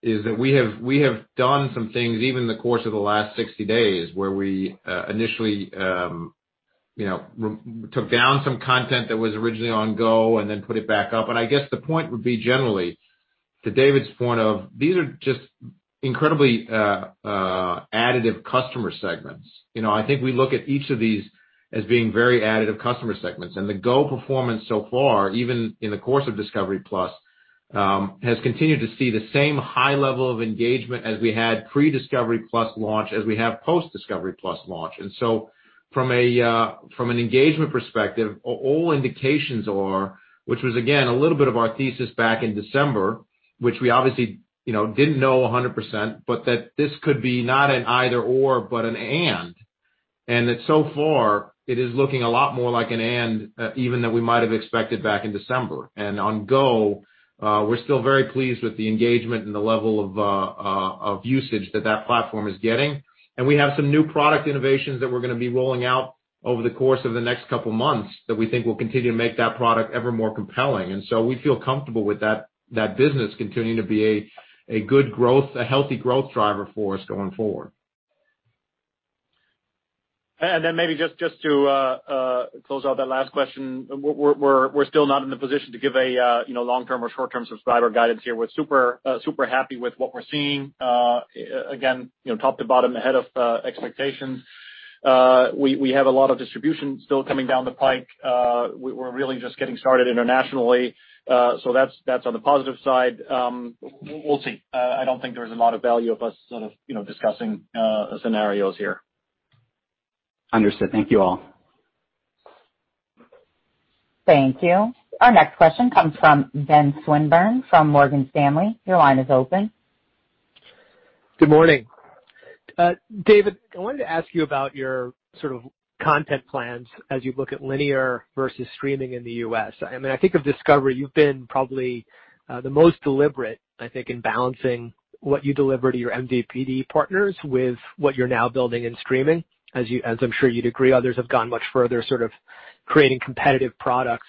is that we have done some things even in the course of the last 60 days, where we initially took down some content that was originally on Go and then put it back up. I guess the point would be generally, to David's point of, these are just incredibly additive customer segments. I think we look at each of these as being very additive customer segments. The Go performance so far, even in the course of Discovery+, has continued to see the same high level of engagement as we had pre-Discovery+ launch as we have post Discovery+ launch. From an engagement perspective, all indications are, which was again, a little bit of our thesis back in December, which we obviously didn't know 100%, but that this could be not an either/or, but an and. That so far it is looking a lot more like an and even than we might have expected back in December. On Go, we're still very pleased with the engagement and the level of usage that that platform is getting. We have some new product innovations that we're going to be rolling out over the course of the next couple of months that we think will continue to make that product ever more compelling. We feel comfortable with that business continuing to be a healthy growth driver for us going forward. Maybe just to close out that last question, we're still not in the position to give a long-term or short-term subscriber guidance here. We're super happy with what we're seeing. Again, top to bottom ahead of expectations. We have a lot of distribution still coming down the pipe. We're really just getting started internationally. That's on the positive side. We'll see. I don't think there's a lot of value of us sort of discussing scenarios here. Understood. Thank you all. Thank you. Our next question comes from Benjamin Swinburne from Morgan Stanley. Your line is open. Good morning. David, I wanted to ask you about your sort of content plans as you look at linear versus streaming in the U.S. I think of Discovery, you've been probably the most deliberate, I think, in balancing what you deliver to your MVPD partners with what you're now building in streaming. As I'm sure you'd agree, others have gone much further sort of creating competitive products.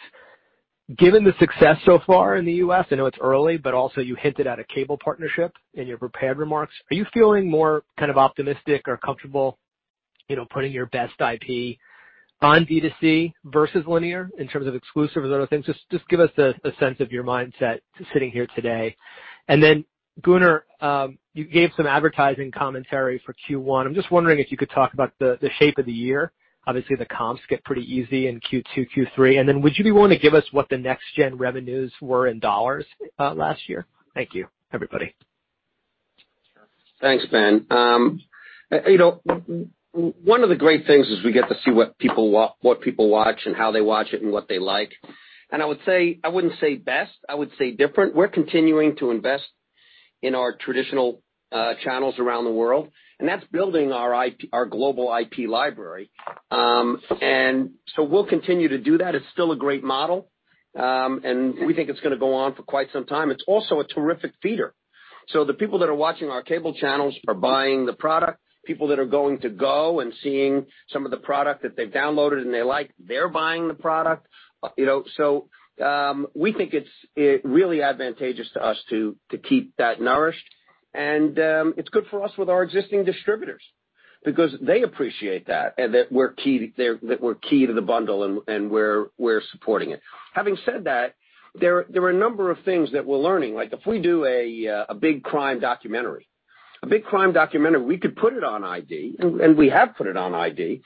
Given the success so far in the U.S., I know it's early, also you hinted at a cable partnership in your prepared remarks. Are you feeling more kind of optimistic or comfortable putting your best IP on B2C versus linear in terms of exclusives and other things? Give us a sense of your mindset sitting here today. Then, Gunnar, you gave some advertising commentary for Q1. I'm just wondering if you could talk about the shape of the year. Obviously, the comps get pretty easy in Q2, Q3. Would you be willing to give us what the next gen revenues were in dollars last year? Thank you, everybody. Thanks, Ben. One of the great things is we get to see what people watch and how they watch it and what they like. I would say, I wouldn't say best, I would say different. We're continuing to invest in our traditional channels around the world, and that's building our global IP library. We'll continue to do that. It's still a great model, and we think it's going to go on for quite some time. It's also a terrific feeder. The people that are watching our cable channels are buying the product. People that are going to Discovery GO and seeing some of the product that they've downloaded and they like, they're buying the product. We think it's really advantageous to us to keep that nourished. It's good for us with our existing distributors because they appreciate that and that we're key to the bundle and we're supporting it. Having said that, there are a number of things that we're learning, like if we do a big crime documentary. A big crime documentary, we could put it on ID, and we have put it on ID.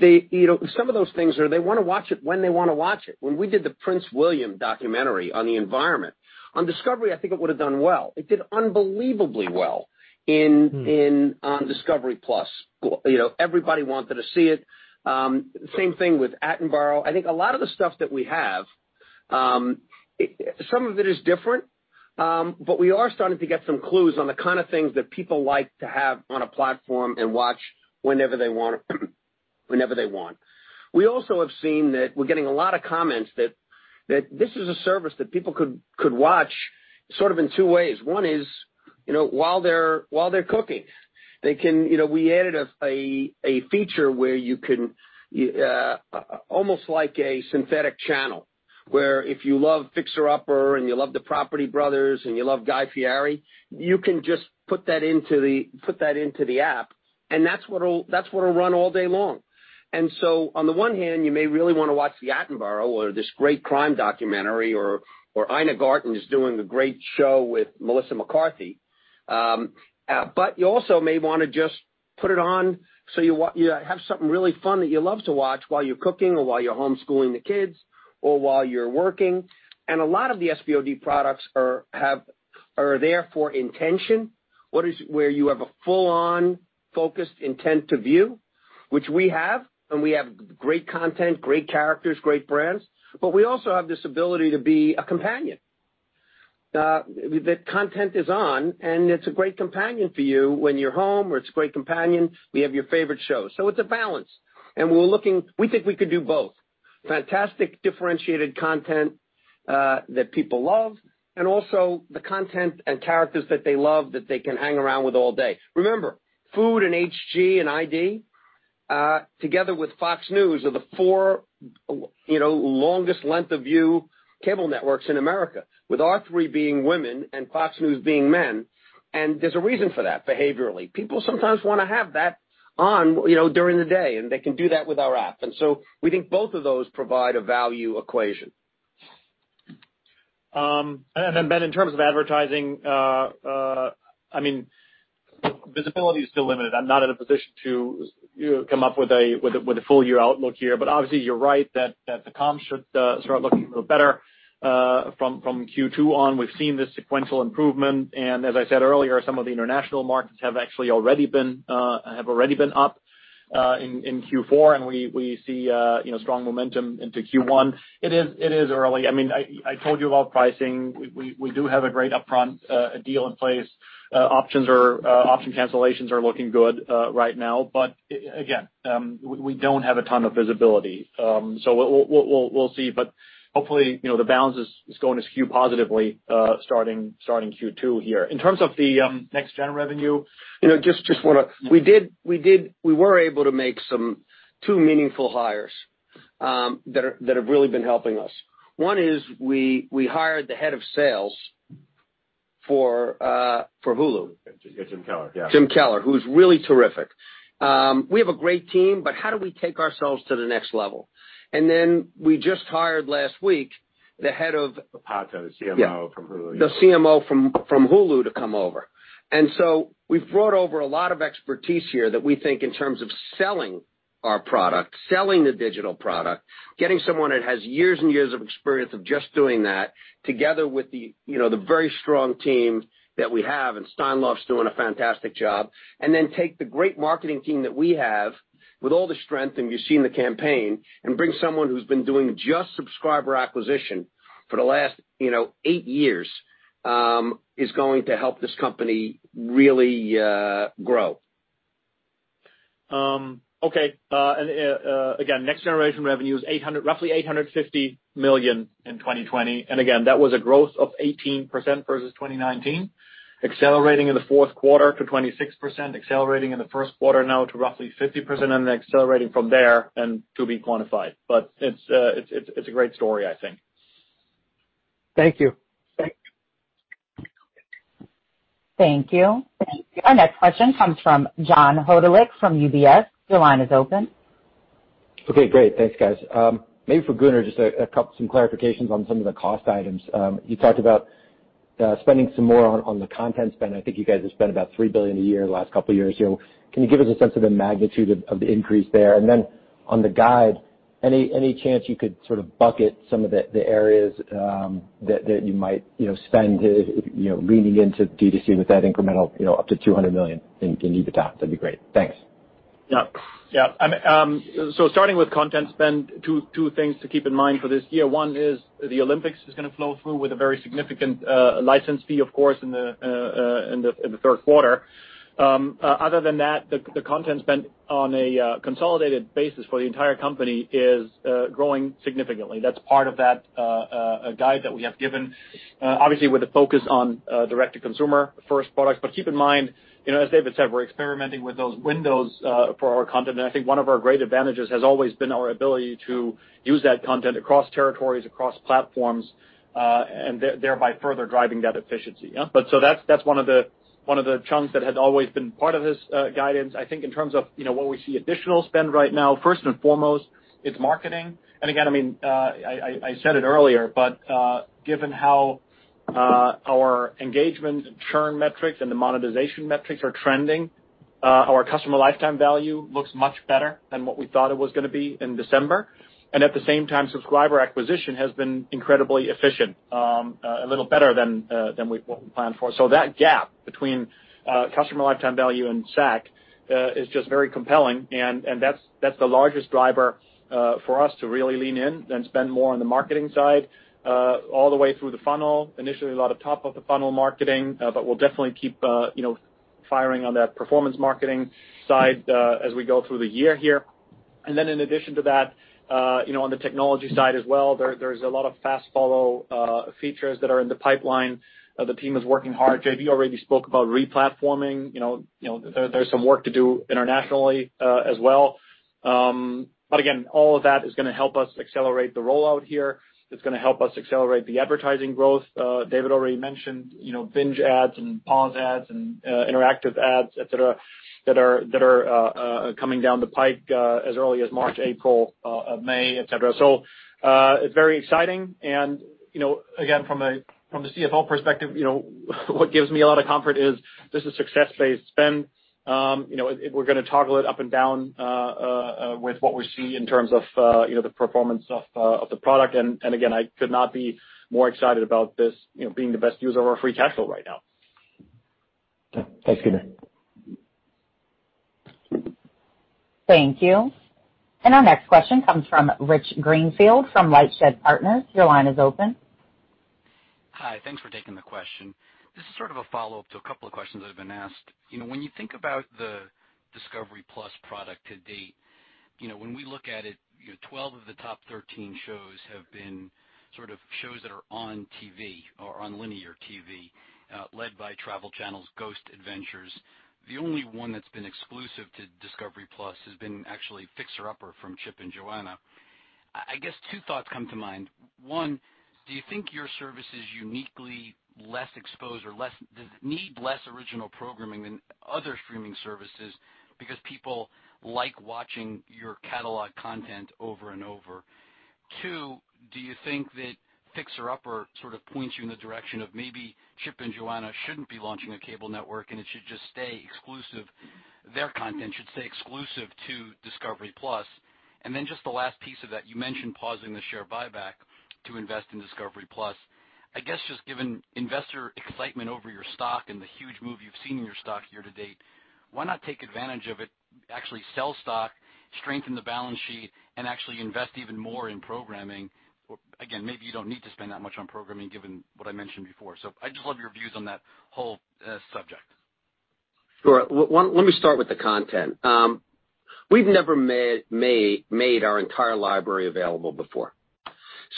Some of those things are, they want to watch it when they want to watch it. When we did the Prince William documentary on the environment, on Discovery, I think it would've done well. It did unbelievably well on Discovery+. Everybody wanted to see it. Same thing with Attenborough. I think a lot of the stuff that we have, some of it is different, but we are starting to get some clues on the kind of things that people like to have on a platform and watch whenever they want. We also have seen that we're getting a lot of comments that this is a service that people could watch sort of in two ways. One is while they're cooking. We added a feature where you can almost like a synthetic channel, where if you love "Fixer Upper" and you love the "Property Brothers" and you love Guy Fieri, you can just put that into the app, and that's what'll run all day long. On the one hand, you may really want to watch the Attenborough or this great crime documentary or Ina Garten, who's doing a great show with Melissa McCarthy. You also may want to just put it on so you have something really fun that you love to watch while you're cooking or while you're homeschooling the kids or while you're working. A lot of the SVOD products are there for intention, where you have a full-on focused intent to view, which we have, and we have great content, great characters, great brands. We also have this ability to be a companion. The content is on, and it's a great companion for you when you're home or it's a great companion. We have your favorite show. It's a balance. We think we could do both, fantastic differentiated content that people love, and also the content and characters that they love that they can hang around with all day. Remember, Food and HG and ID, together with Fox News, are the four longest length of view cable networks in America, with our three being women and Fox News being men. There's a reason for that, behaviorally. People sometimes want to have that on during the day, and they can do that with our app. We think both of those provide a value equation. Ben, in terms of advertising, visibility is still limited. I'm not in a position to come up with a full-year outlook here. Obviously you're right that the comps should start looking a little better from Q2 on. We've seen the sequential improvement, and as I said earlier, some of the international markets have actually already been up in Q4, and we see strong momentum into Q1. It is early. I told you about pricing. We do have a great upfront deal in place. Option cancellations are looking good right now. Again, we don't have a ton of visibility. We'll see. Hopefully, the balance is going to skew positively starting Q2 here. In terms of the next gen revenue. We were able to make two meaningful hires that have really been helping us. One is we hired the head of sales for Hulu. Jim Keller, yeah. Jim Keller, who's really terrific. We have a great team, but how do we take ourselves to the next level? We just hired last week, the head of- Kelly Campbell, the CMO from Hulu. Yeah. The CMO from Hulu to come over. We've brought over a lot of expertise here that we think in terms of selling our product, selling the digital product. Getting someone that has years and years of experience of just doing that together with the very strong team that we have, and Steinlauf's doing a fantastic job. Take the great marketing team that we have with all the strength, and you've seen the campaign, and bring someone who's been doing just subscriber acquisition for the last eight years, is going to help this company really grow. Okay. Again, next generation revenue is roughly $850 million in 2020. Again, that was a growth of 18% versus 2019, accelerating in the fourth quarter to 26%, accelerating in the first quarter now to roughly 50%, and then accelerating from there, and to be quantified. It's a great story, I think. Thank you. Thanks. Thank you. Our next question comes from John Hodulik from UBS. Your line is open. Okay, great. Thanks, guys. Maybe for Gunnar, just some clarifications on some of the cost items. You talked about spending some more on the content spend. I think you guys have spent about $3 billion a year the last couple of years here. Can you give us a sense of the magnitude of the increase there? Then on the guide, any chance you could sort of bucket some of the areas that you might spend leaning into D2C with that incremental up to $200 million in EBITDA? That'd be great. Thanks. Yeah. Starting with content spend, two things to keep in mind for this year. One is the Olympics is going to flow through with a very significant license fee, of course, in the third quarter. Other than that, the content spend on a consolidated basis for the entire company is growing significantly. That's part of that guide that we have given. Obviously with a focus on direct-to-consumer first products. Keep in mind, as David said, we're experimenting with those windows for our content. I think one of our great advantages has always been our ability to use that content across territories, across platforms, and thereby further driving that efficiency. That's one of the chunks that has always been part of this guidance. I think in terms of what we see additional spend right now, first and foremost, it's marketing. Again, I said it earlier, given how our engagement and churn metrics and the monetization metrics are trending, our customer lifetime value looks much better than what we thought it was going to be in December. At the same time, subscriber acquisition has been incredibly efficient. A little better than what we planned for. That gap between customer lifetime value and SAC is just very compelling, and that's the largest driver for us to really lean in and spend more on the marketing side all the way through the funnel. Initially, a lot of top of the funnel marketing, we'll definitely keep firing on that performance marketing side as we go through the year here. In addition to that, on the technology side as well, there's a lot of fast follow features that are in the pipeline. The team is working hard. JB. already spoke about replatforming. There's some work to do internationally as well. Again, all of that is going to help us accelerate the rollout here. It's going to help us accelerate the advertising growth. David already mentioned binge ads and pause ads and interactive ads, et cetera, that are coming down the pipe as early as March, April, May, et cetera. It's very exciting. Again, from the CFO perspective, what gives me a lot of comfort is this is success-based spend. We're going to toggle it up and down with what we see in terms of the performance of the product. Again, I could not be more excited about this being the best use of our free cash flow right now. Okay. Thanks, Gunnar. Thank you. Our next question comes from Rich Greenfield from LightShed Partners. Your line is open. Hi. Thanks for taking the question. This is sort of a follow-up to a couple of questions that have been asked. When you think about the Discovery+ product to date, when we look at it, 12 of the top 13 shows have been sort of shows that are on TV or on linear TV, led by Travel Channel's Ghost Adventures. The only one that's been exclusive to Discovery+ has been actually Fixer Upper from Chip and Joanna. I guess two thoughts come to mind. One, do you think your service is uniquely less exposed or need less original programming than other streaming services because people like watching your catalog content over and over? Two, do you think that Fixer Upper sort of points you in the direction of maybe Chip and Joanna shouldn't be launching a cable network, and their content should stay exclusive to Discovery+? Just the last piece of that, you mentioned pausing the share buyback to invest in Discovery+. I guess just given investor excitement over your stock and the huge move you've seen in your stock year to date, why not take advantage of it, actually sell stock, strengthen the balance sheet, and actually invest even more in programming? Maybe you don't need to spend that much on programming given what I mentioned before. I'd just love your views on that whole subject. Sure. Let me start with the content. We've never made our entire library available before.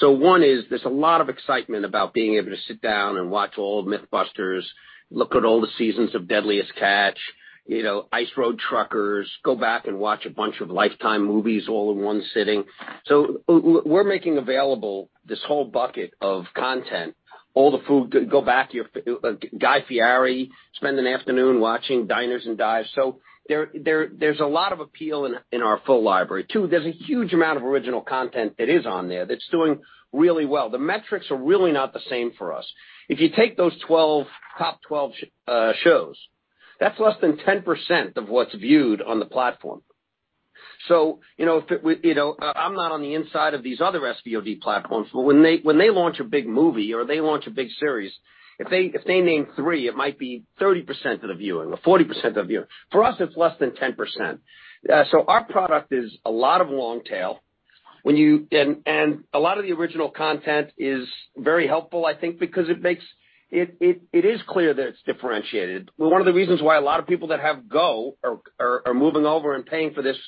One is, there's a lot of excitement about being able to sit down and watch old MythBusters, look at all the seasons of Deadliest Catch, Ice Road Truckers, go back and watch a bunch of Lifetime movies all in one sitting. We're making available this whole bucket of content. Go back, Guy Fieri, spend an afternoon watching Diners & Dives. There's a lot of appeal in our full library. Two, there's a huge amount of original content that is on there that's doing really well. The metrics are really not the same for us. If you take those top 12 shows, that's less than 10% of what's viewed on the platform. I'm not on the inside of these other SVOD platforms, but when they launch a big movie or they launch a big series, if they name three, it might be 30% of the viewing or 40% of viewing. For us, it's less than 10%. Our product is a lot of long tail. A lot of the original content is very helpful, I think, because it is clear that it's differentiated. One of the reasons why a lot of people that have Go are moving over and paying for this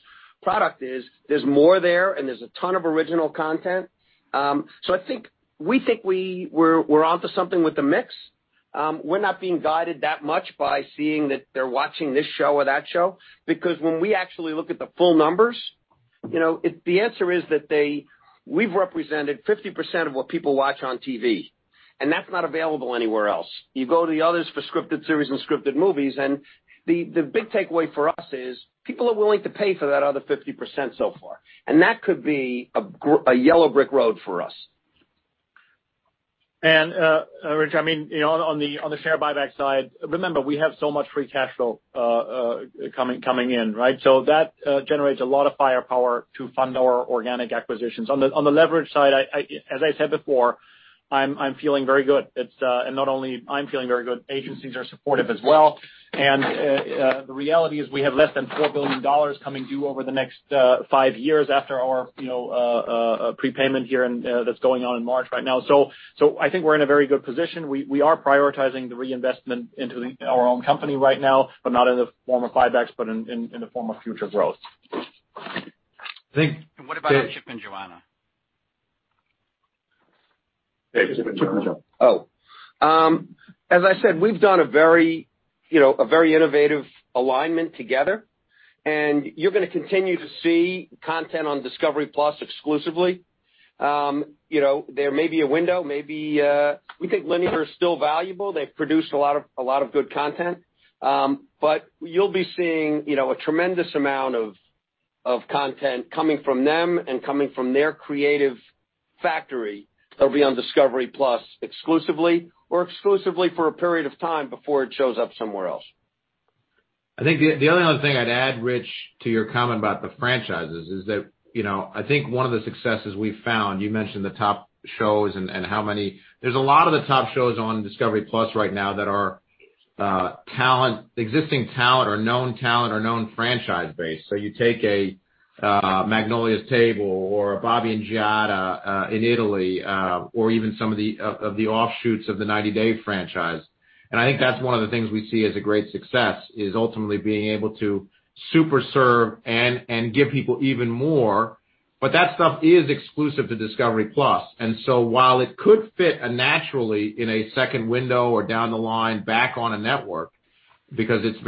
product is there's more there and there's a ton of original content. I think we're onto something with the mix. We're not being guided that much by seeing that they're watching this show or that show. When we actually look at the full numbers, the answer is that we've represented 50% of what people watch on TV, and that's not available anywhere else. You go to the others for scripted series and scripted movies. The big takeaway for us is people are willing to pay for that other 50% so far, and that could be a yellow brick road for us. Rich, on the share buyback side, remember, we have so much free cash flow coming in, right? That generates a lot of firepower to fund our organic acquisitions. On the leverage side, as I said before, I'm feeling very good. Not only I'm feeling very good, agencies are supportive as well. The reality is we have less than $4 billion coming due over the next five years after our prepayment here and that's going on in March right now. I think we're in a very good position. We are prioritizing the reinvestment into our own company right now, but not in the form of buybacks, but in the form of future growth. What about Chip and Joanna? As I said, we've done a very innovative alignment together, and you're going to continue to see content on Discovery+ exclusively. There may be a window, maybe. We think linear is still valuable. They've produced a lot of good content. You'll be seeing a tremendous amount of content coming from them and coming from their creative factory that'll be on Discovery+ exclusively or exclusively for a period of time before it shows up somewhere else. I think the only other thing I'd add, Rich, to your comment about the franchises is that I think one of the successes we've found, you mentioned the top shows and how many. There's a lot of the top shows on Discovery+ right now that are existing talent or known talent or known franchise base. You take a Magnolia Table or a Bobby and Giada in Italy, or even some of the offshoots of the 90 Day franchise. I think that's one of the things we see as a great success is ultimately being able to super serve and give people even more. That stuff is exclusive to Discovery+. While it could fit naturally in a second window or down the line back on a network, because it's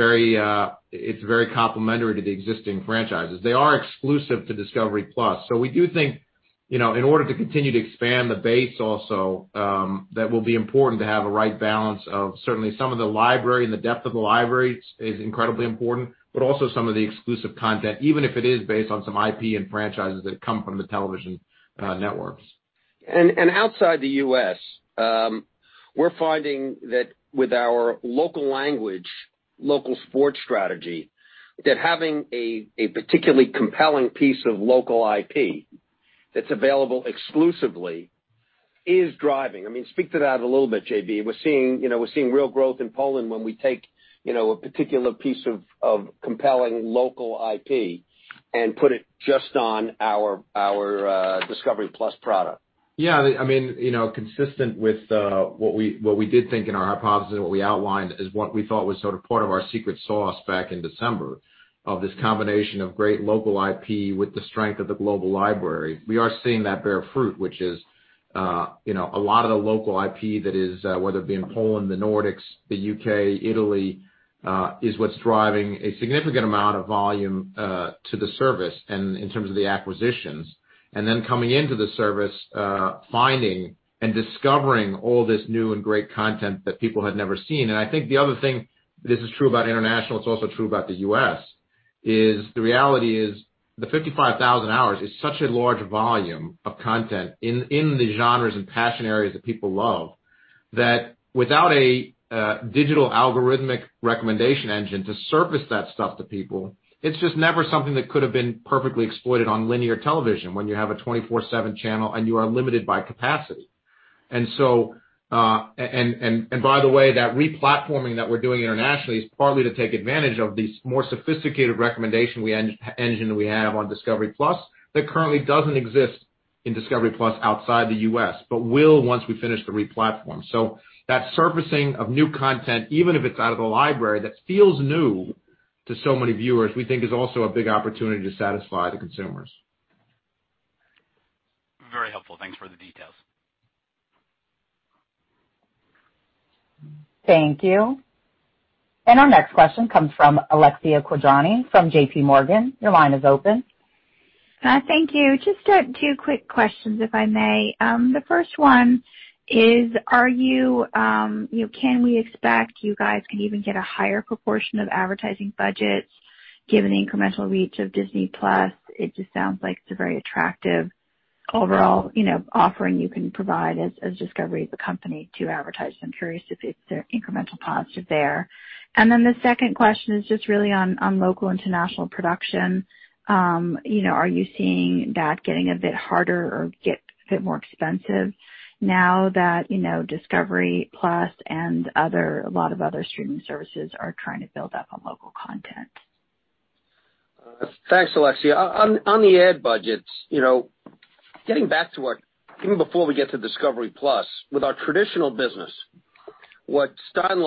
very complementary to the existing franchises. They are exclusive to Discovery+. We do think in order to continue to expand the base also, that will be important to have a right balance of certainly some of the library and the depth of the library is incredibly important, but also some of the exclusive content, even if it is based on some IP and franchises that come from the television networks. Outside the U.S., we're finding that with our local language, local sports strategy, that having a particularly compelling piece of local IP that's available exclusively is driving. Speak to that a little bit, JB. We're seeing real growth in Poland when we take a particular piece of compelling local IP and put it just on our Discovery+ product. Yeah. Consistent with what we did think in our hypothesis and what we outlined is what we thought was sort of part of our secret sauce back in December, of this combination of great local IP with the strength of the global library. We are seeing that bear fruit, which is a lot of the local IP, whether it be in Poland, the Nordics, the U.K., Italy, is what's driving a significant amount of volume to the service and in terms of the acquisitions. Coming into the service, finding and discovering all this new and great content that people had never seen. I think the other thing, this is true about international, it's also true about the U.S., is the reality is the 55,000 hours is such a large volume of content in the genres and passion areas that people love, that without a digital algorithmic recommendation engine to surface that stuff to people, it's just never something that could've been perfectly exploited on linear television when you have a 24/7 channel and you are limited by capacity. By the way, that re-platforming that we're doing internationally is partly to take advantage of the more sophisticated recommendation engine we have on Discovery+ that currently doesn't exist in Discovery+ outside the U.S., but will once we finish the re-platform. That surfacing of new content, even if it's out of the library, that feels new to so many viewers, we think is also a big opportunity to satisfy the consumers. Very helpful. Thanks for the details. Thank you. Our next question comes from Alexia Quadrani from JPMorgan. Your line is open. Thank you. Just two quick questions, if I may. The first one is, can we expect you guys can even get a higher proportion of advertising budgets given the incremental reach of Disney+? It just sounds like it's a very attractive overall offering you can provide as Discovery as a company to advertise. I'm curious if it's an incremental positive there. The second question is just really on local international production. Are you seeing that getting a bit harder or get a bit more expensive now that Discovery+ and a lot of other streaming services are trying to build up on local content? Thanks, Alexia. On the ad budgets. Even before we get to Discovery+, with our traditional business, what Jon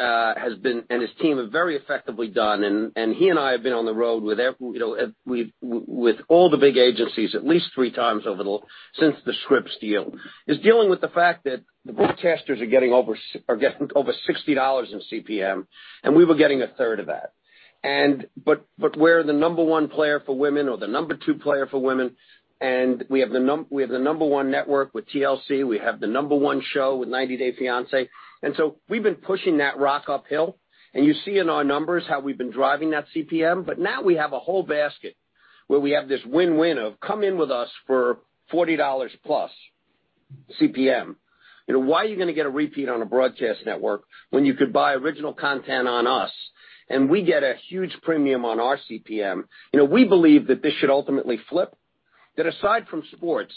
Steinlauf and his team have very effectively done, and he and I have been on the road with all the big agencies at least three times since the Scripps deal, is dealing with the fact that the broadcasters are getting over $60 in CPM, and we were getting a third of that. We're the number one player for women or the number two player for women, and we have the number one network with TLC. We have the number one show with "90 Day Fiancé". So we've been pushing that rock uphill, and you see in our numbers how we've been driving that CPM. Now we have a whole basket where we have this win-win of come in with us for $40 plus CPM. Why are you going to get a repeat on a broadcast network when you could buy original content on us? We get a huge premium on our CPM. We believe that this should ultimately flip. Aside from sports,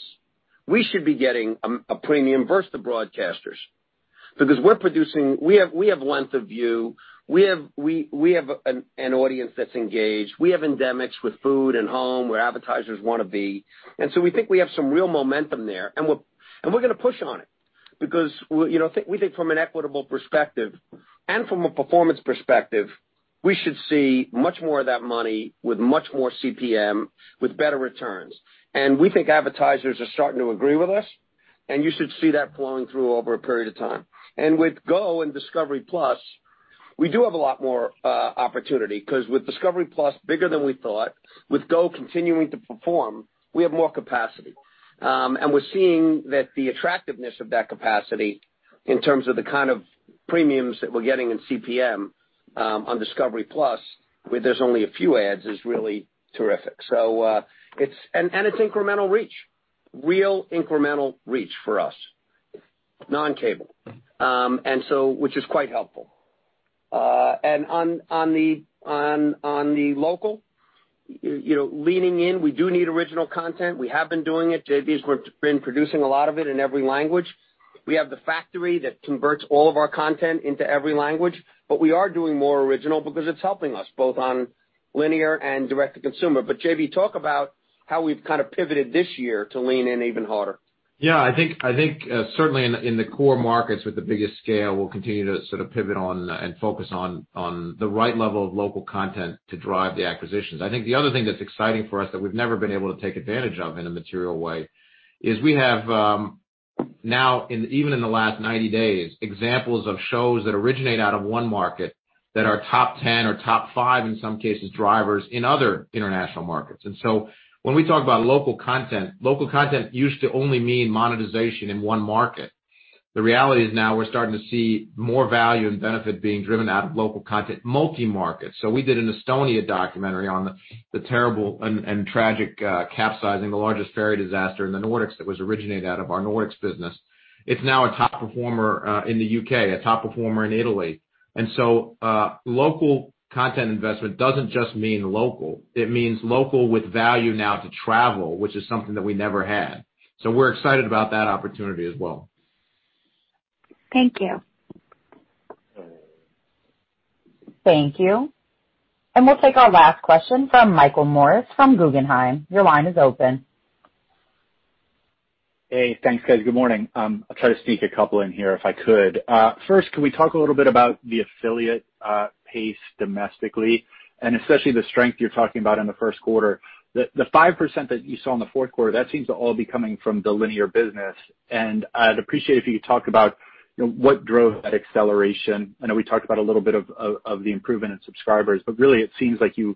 we should be getting a premium versus the broadcasters because we have length of view. We have an audience that's engaged. We have endemics with food and home where advertisers want to be. We think we have some real momentum there, and we're going to push on it because we think from an equitable perspective and from a performance perspective, we should see much more of that money with much more CPM, with better returns. We think advertisers are starting to agree with us, and you should see that flowing through over a period of time. with Discovery GO and Discovery+, we do have a lot more opportunity because with Discovery+ bigger than we thought, with Discovery GO continuing to perform, we have more capacity. We're seeing that the attractiveness of that capacity in terms of the kind of premiums that we're getting in CPM on Discovery+ where there's only a few ads, is really terrific. It's incremental reach. Real incremental reach for us. Non-cable. Which is quite helpful. On the local, leaning in, we do need original content. We have been doing it. JB's been producing a lot of it in every language. We have the factory that converts all of our content into every language, but we are doing more original because it's helping us, both on linear and direct to consumer. JB, talk about how we've kind of pivoted this year to lean in even harder. Yeah. I think certainly in the core markets with the biggest scale, we'll continue to sort of pivot on and focus on the right level of local content to drive the acquisitions. I think the other thing that's exciting for us that we've never been able to take advantage of in a material way is we have now, even in the last 90 days, examples of shows that originate out of one market that are top 10 or top 5 in some cases, drivers in other international markets. When we talk about local content, local content used to only mean monetization in one market. The reality is now we're starting to see more value and benefit being driven out of local content multi-market. We did an Estonia documentary on the terrible and tragic capsizing, the largest ferry disaster in the Nordics that was originated out of our Nordics business. It's now a top performer in the U.K., a top performer in Italy. Local content investment doesn't just mean local. It means local with value now to travel, which is something that we never had. We're excited about that opportunity as well. Thank you. Thank you. We'll take our last question from Michael Morris from Guggenheim. Your line is open. Hey, thanks, guys. Good morning. I'll try to sneak a couple in here if I could. First, can we talk a little bit about the affiliate pace domestically, and especially the strength you're talking about in the first quarter. The 5% that you saw in the fourth quarter, that seems to all be coming from the linear business. I'd appreciate if you could talk about what drove that acceleration. I know we talked about a little bit of the improvement in subscribers, but really it seems like you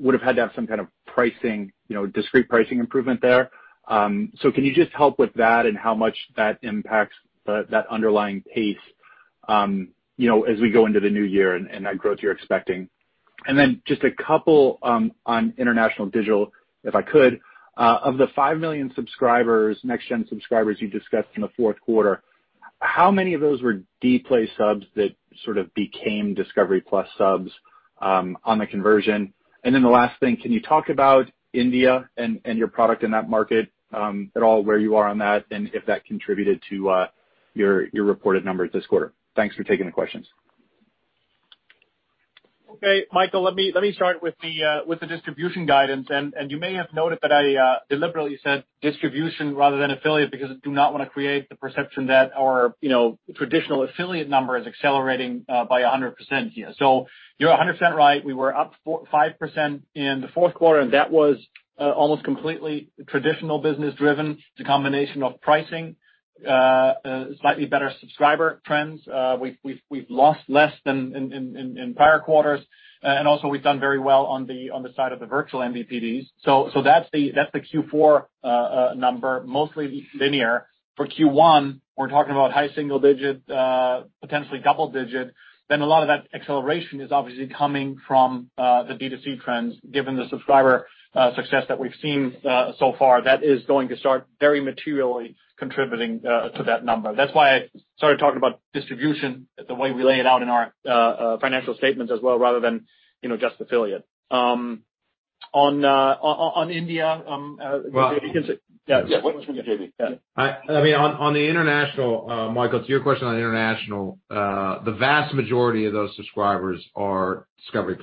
would've had to have some kind of pricing, discrete pricing improvement there. Can you just help with that and how much that impacts that underlying pace as we go into the new year and that growth you're expecting? Just a couple on international digital, if I could. Of the 5 million next-gen subscribers you discussed in the fourth quarter, how many of those were Dplay subs that sort of became Discovery+ subs on the conversion? The last thing, can you talk about India and your product in that market at all, where you are on that, and if that contributed to your reported numbers this quarter? Thanks for taking the questions. Okay, Michael, let me start with the distribution guidance. You may have noted that I deliberately said distribution rather than affiliate because I do not want to create the perception that our traditional affiliate number is accelerating by 100% here. You're 100% right. We were up 5% in the fourth quarter, and that was almost completely traditional business driven. It's a combination of pricing, slightly better subscriber trends. We've lost less than in prior quarters. Also we've done very well on the side of the virtual MVPDs. That's the Q4 number, mostly linear. For Q1, we're talking about high single digit, potentially double digit. A lot of that acceleration is obviously coming from the D2C trends, given the subscriber success that we've seen so far. That is going to start very materially contributing to that number. That's why I started talking about distribution the way we lay it out in our financial statements as well, rather than just affiliate. On India. Well Yeah. Why don't you, JB? Yeah. On the international, Michael, to your question on international, the vast majority of those subscribers are Discovery+.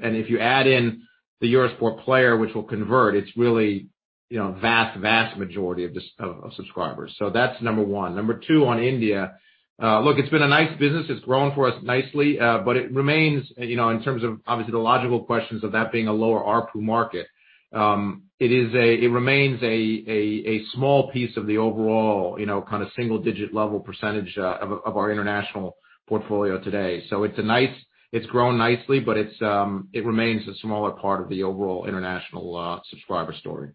If you add in the Eurosport Player, which will convert, it's really vast majority of subscribers. That's number 1. Number 2, on India, look, it's been a nice business. It's grown for us nicely. It remains, in terms of obviously the logical questions of that being a lower ARPU market, it remains a small piece of the overall kind of single-digit level percentage of our international portfolio today. It's grown nicely, but it remains a smaller part of the overall international subscriber story.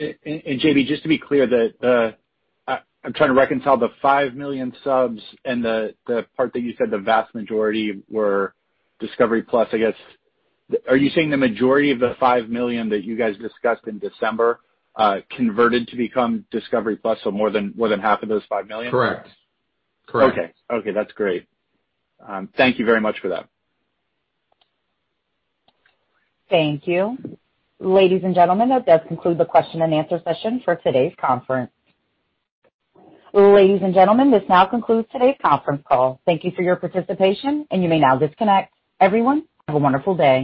JB, just to be clear, I'm trying to reconcile the 5 million subs and the part that you said the vast majority were Discovery+. I guess, are you saying the majority of the 5 million that you guys discussed in December converted to become Discovery+, so more than half of those 5 million? Correct. Okay. That's great. Thank you very much for that. Thank you. Ladies and gentlemen, that does conclude the question and answer session for today's conference. Ladies and gentlemen, this now concludes today's conference call. Thank you for your participation, and you may now disconnect. Everyone, have a wonderful day.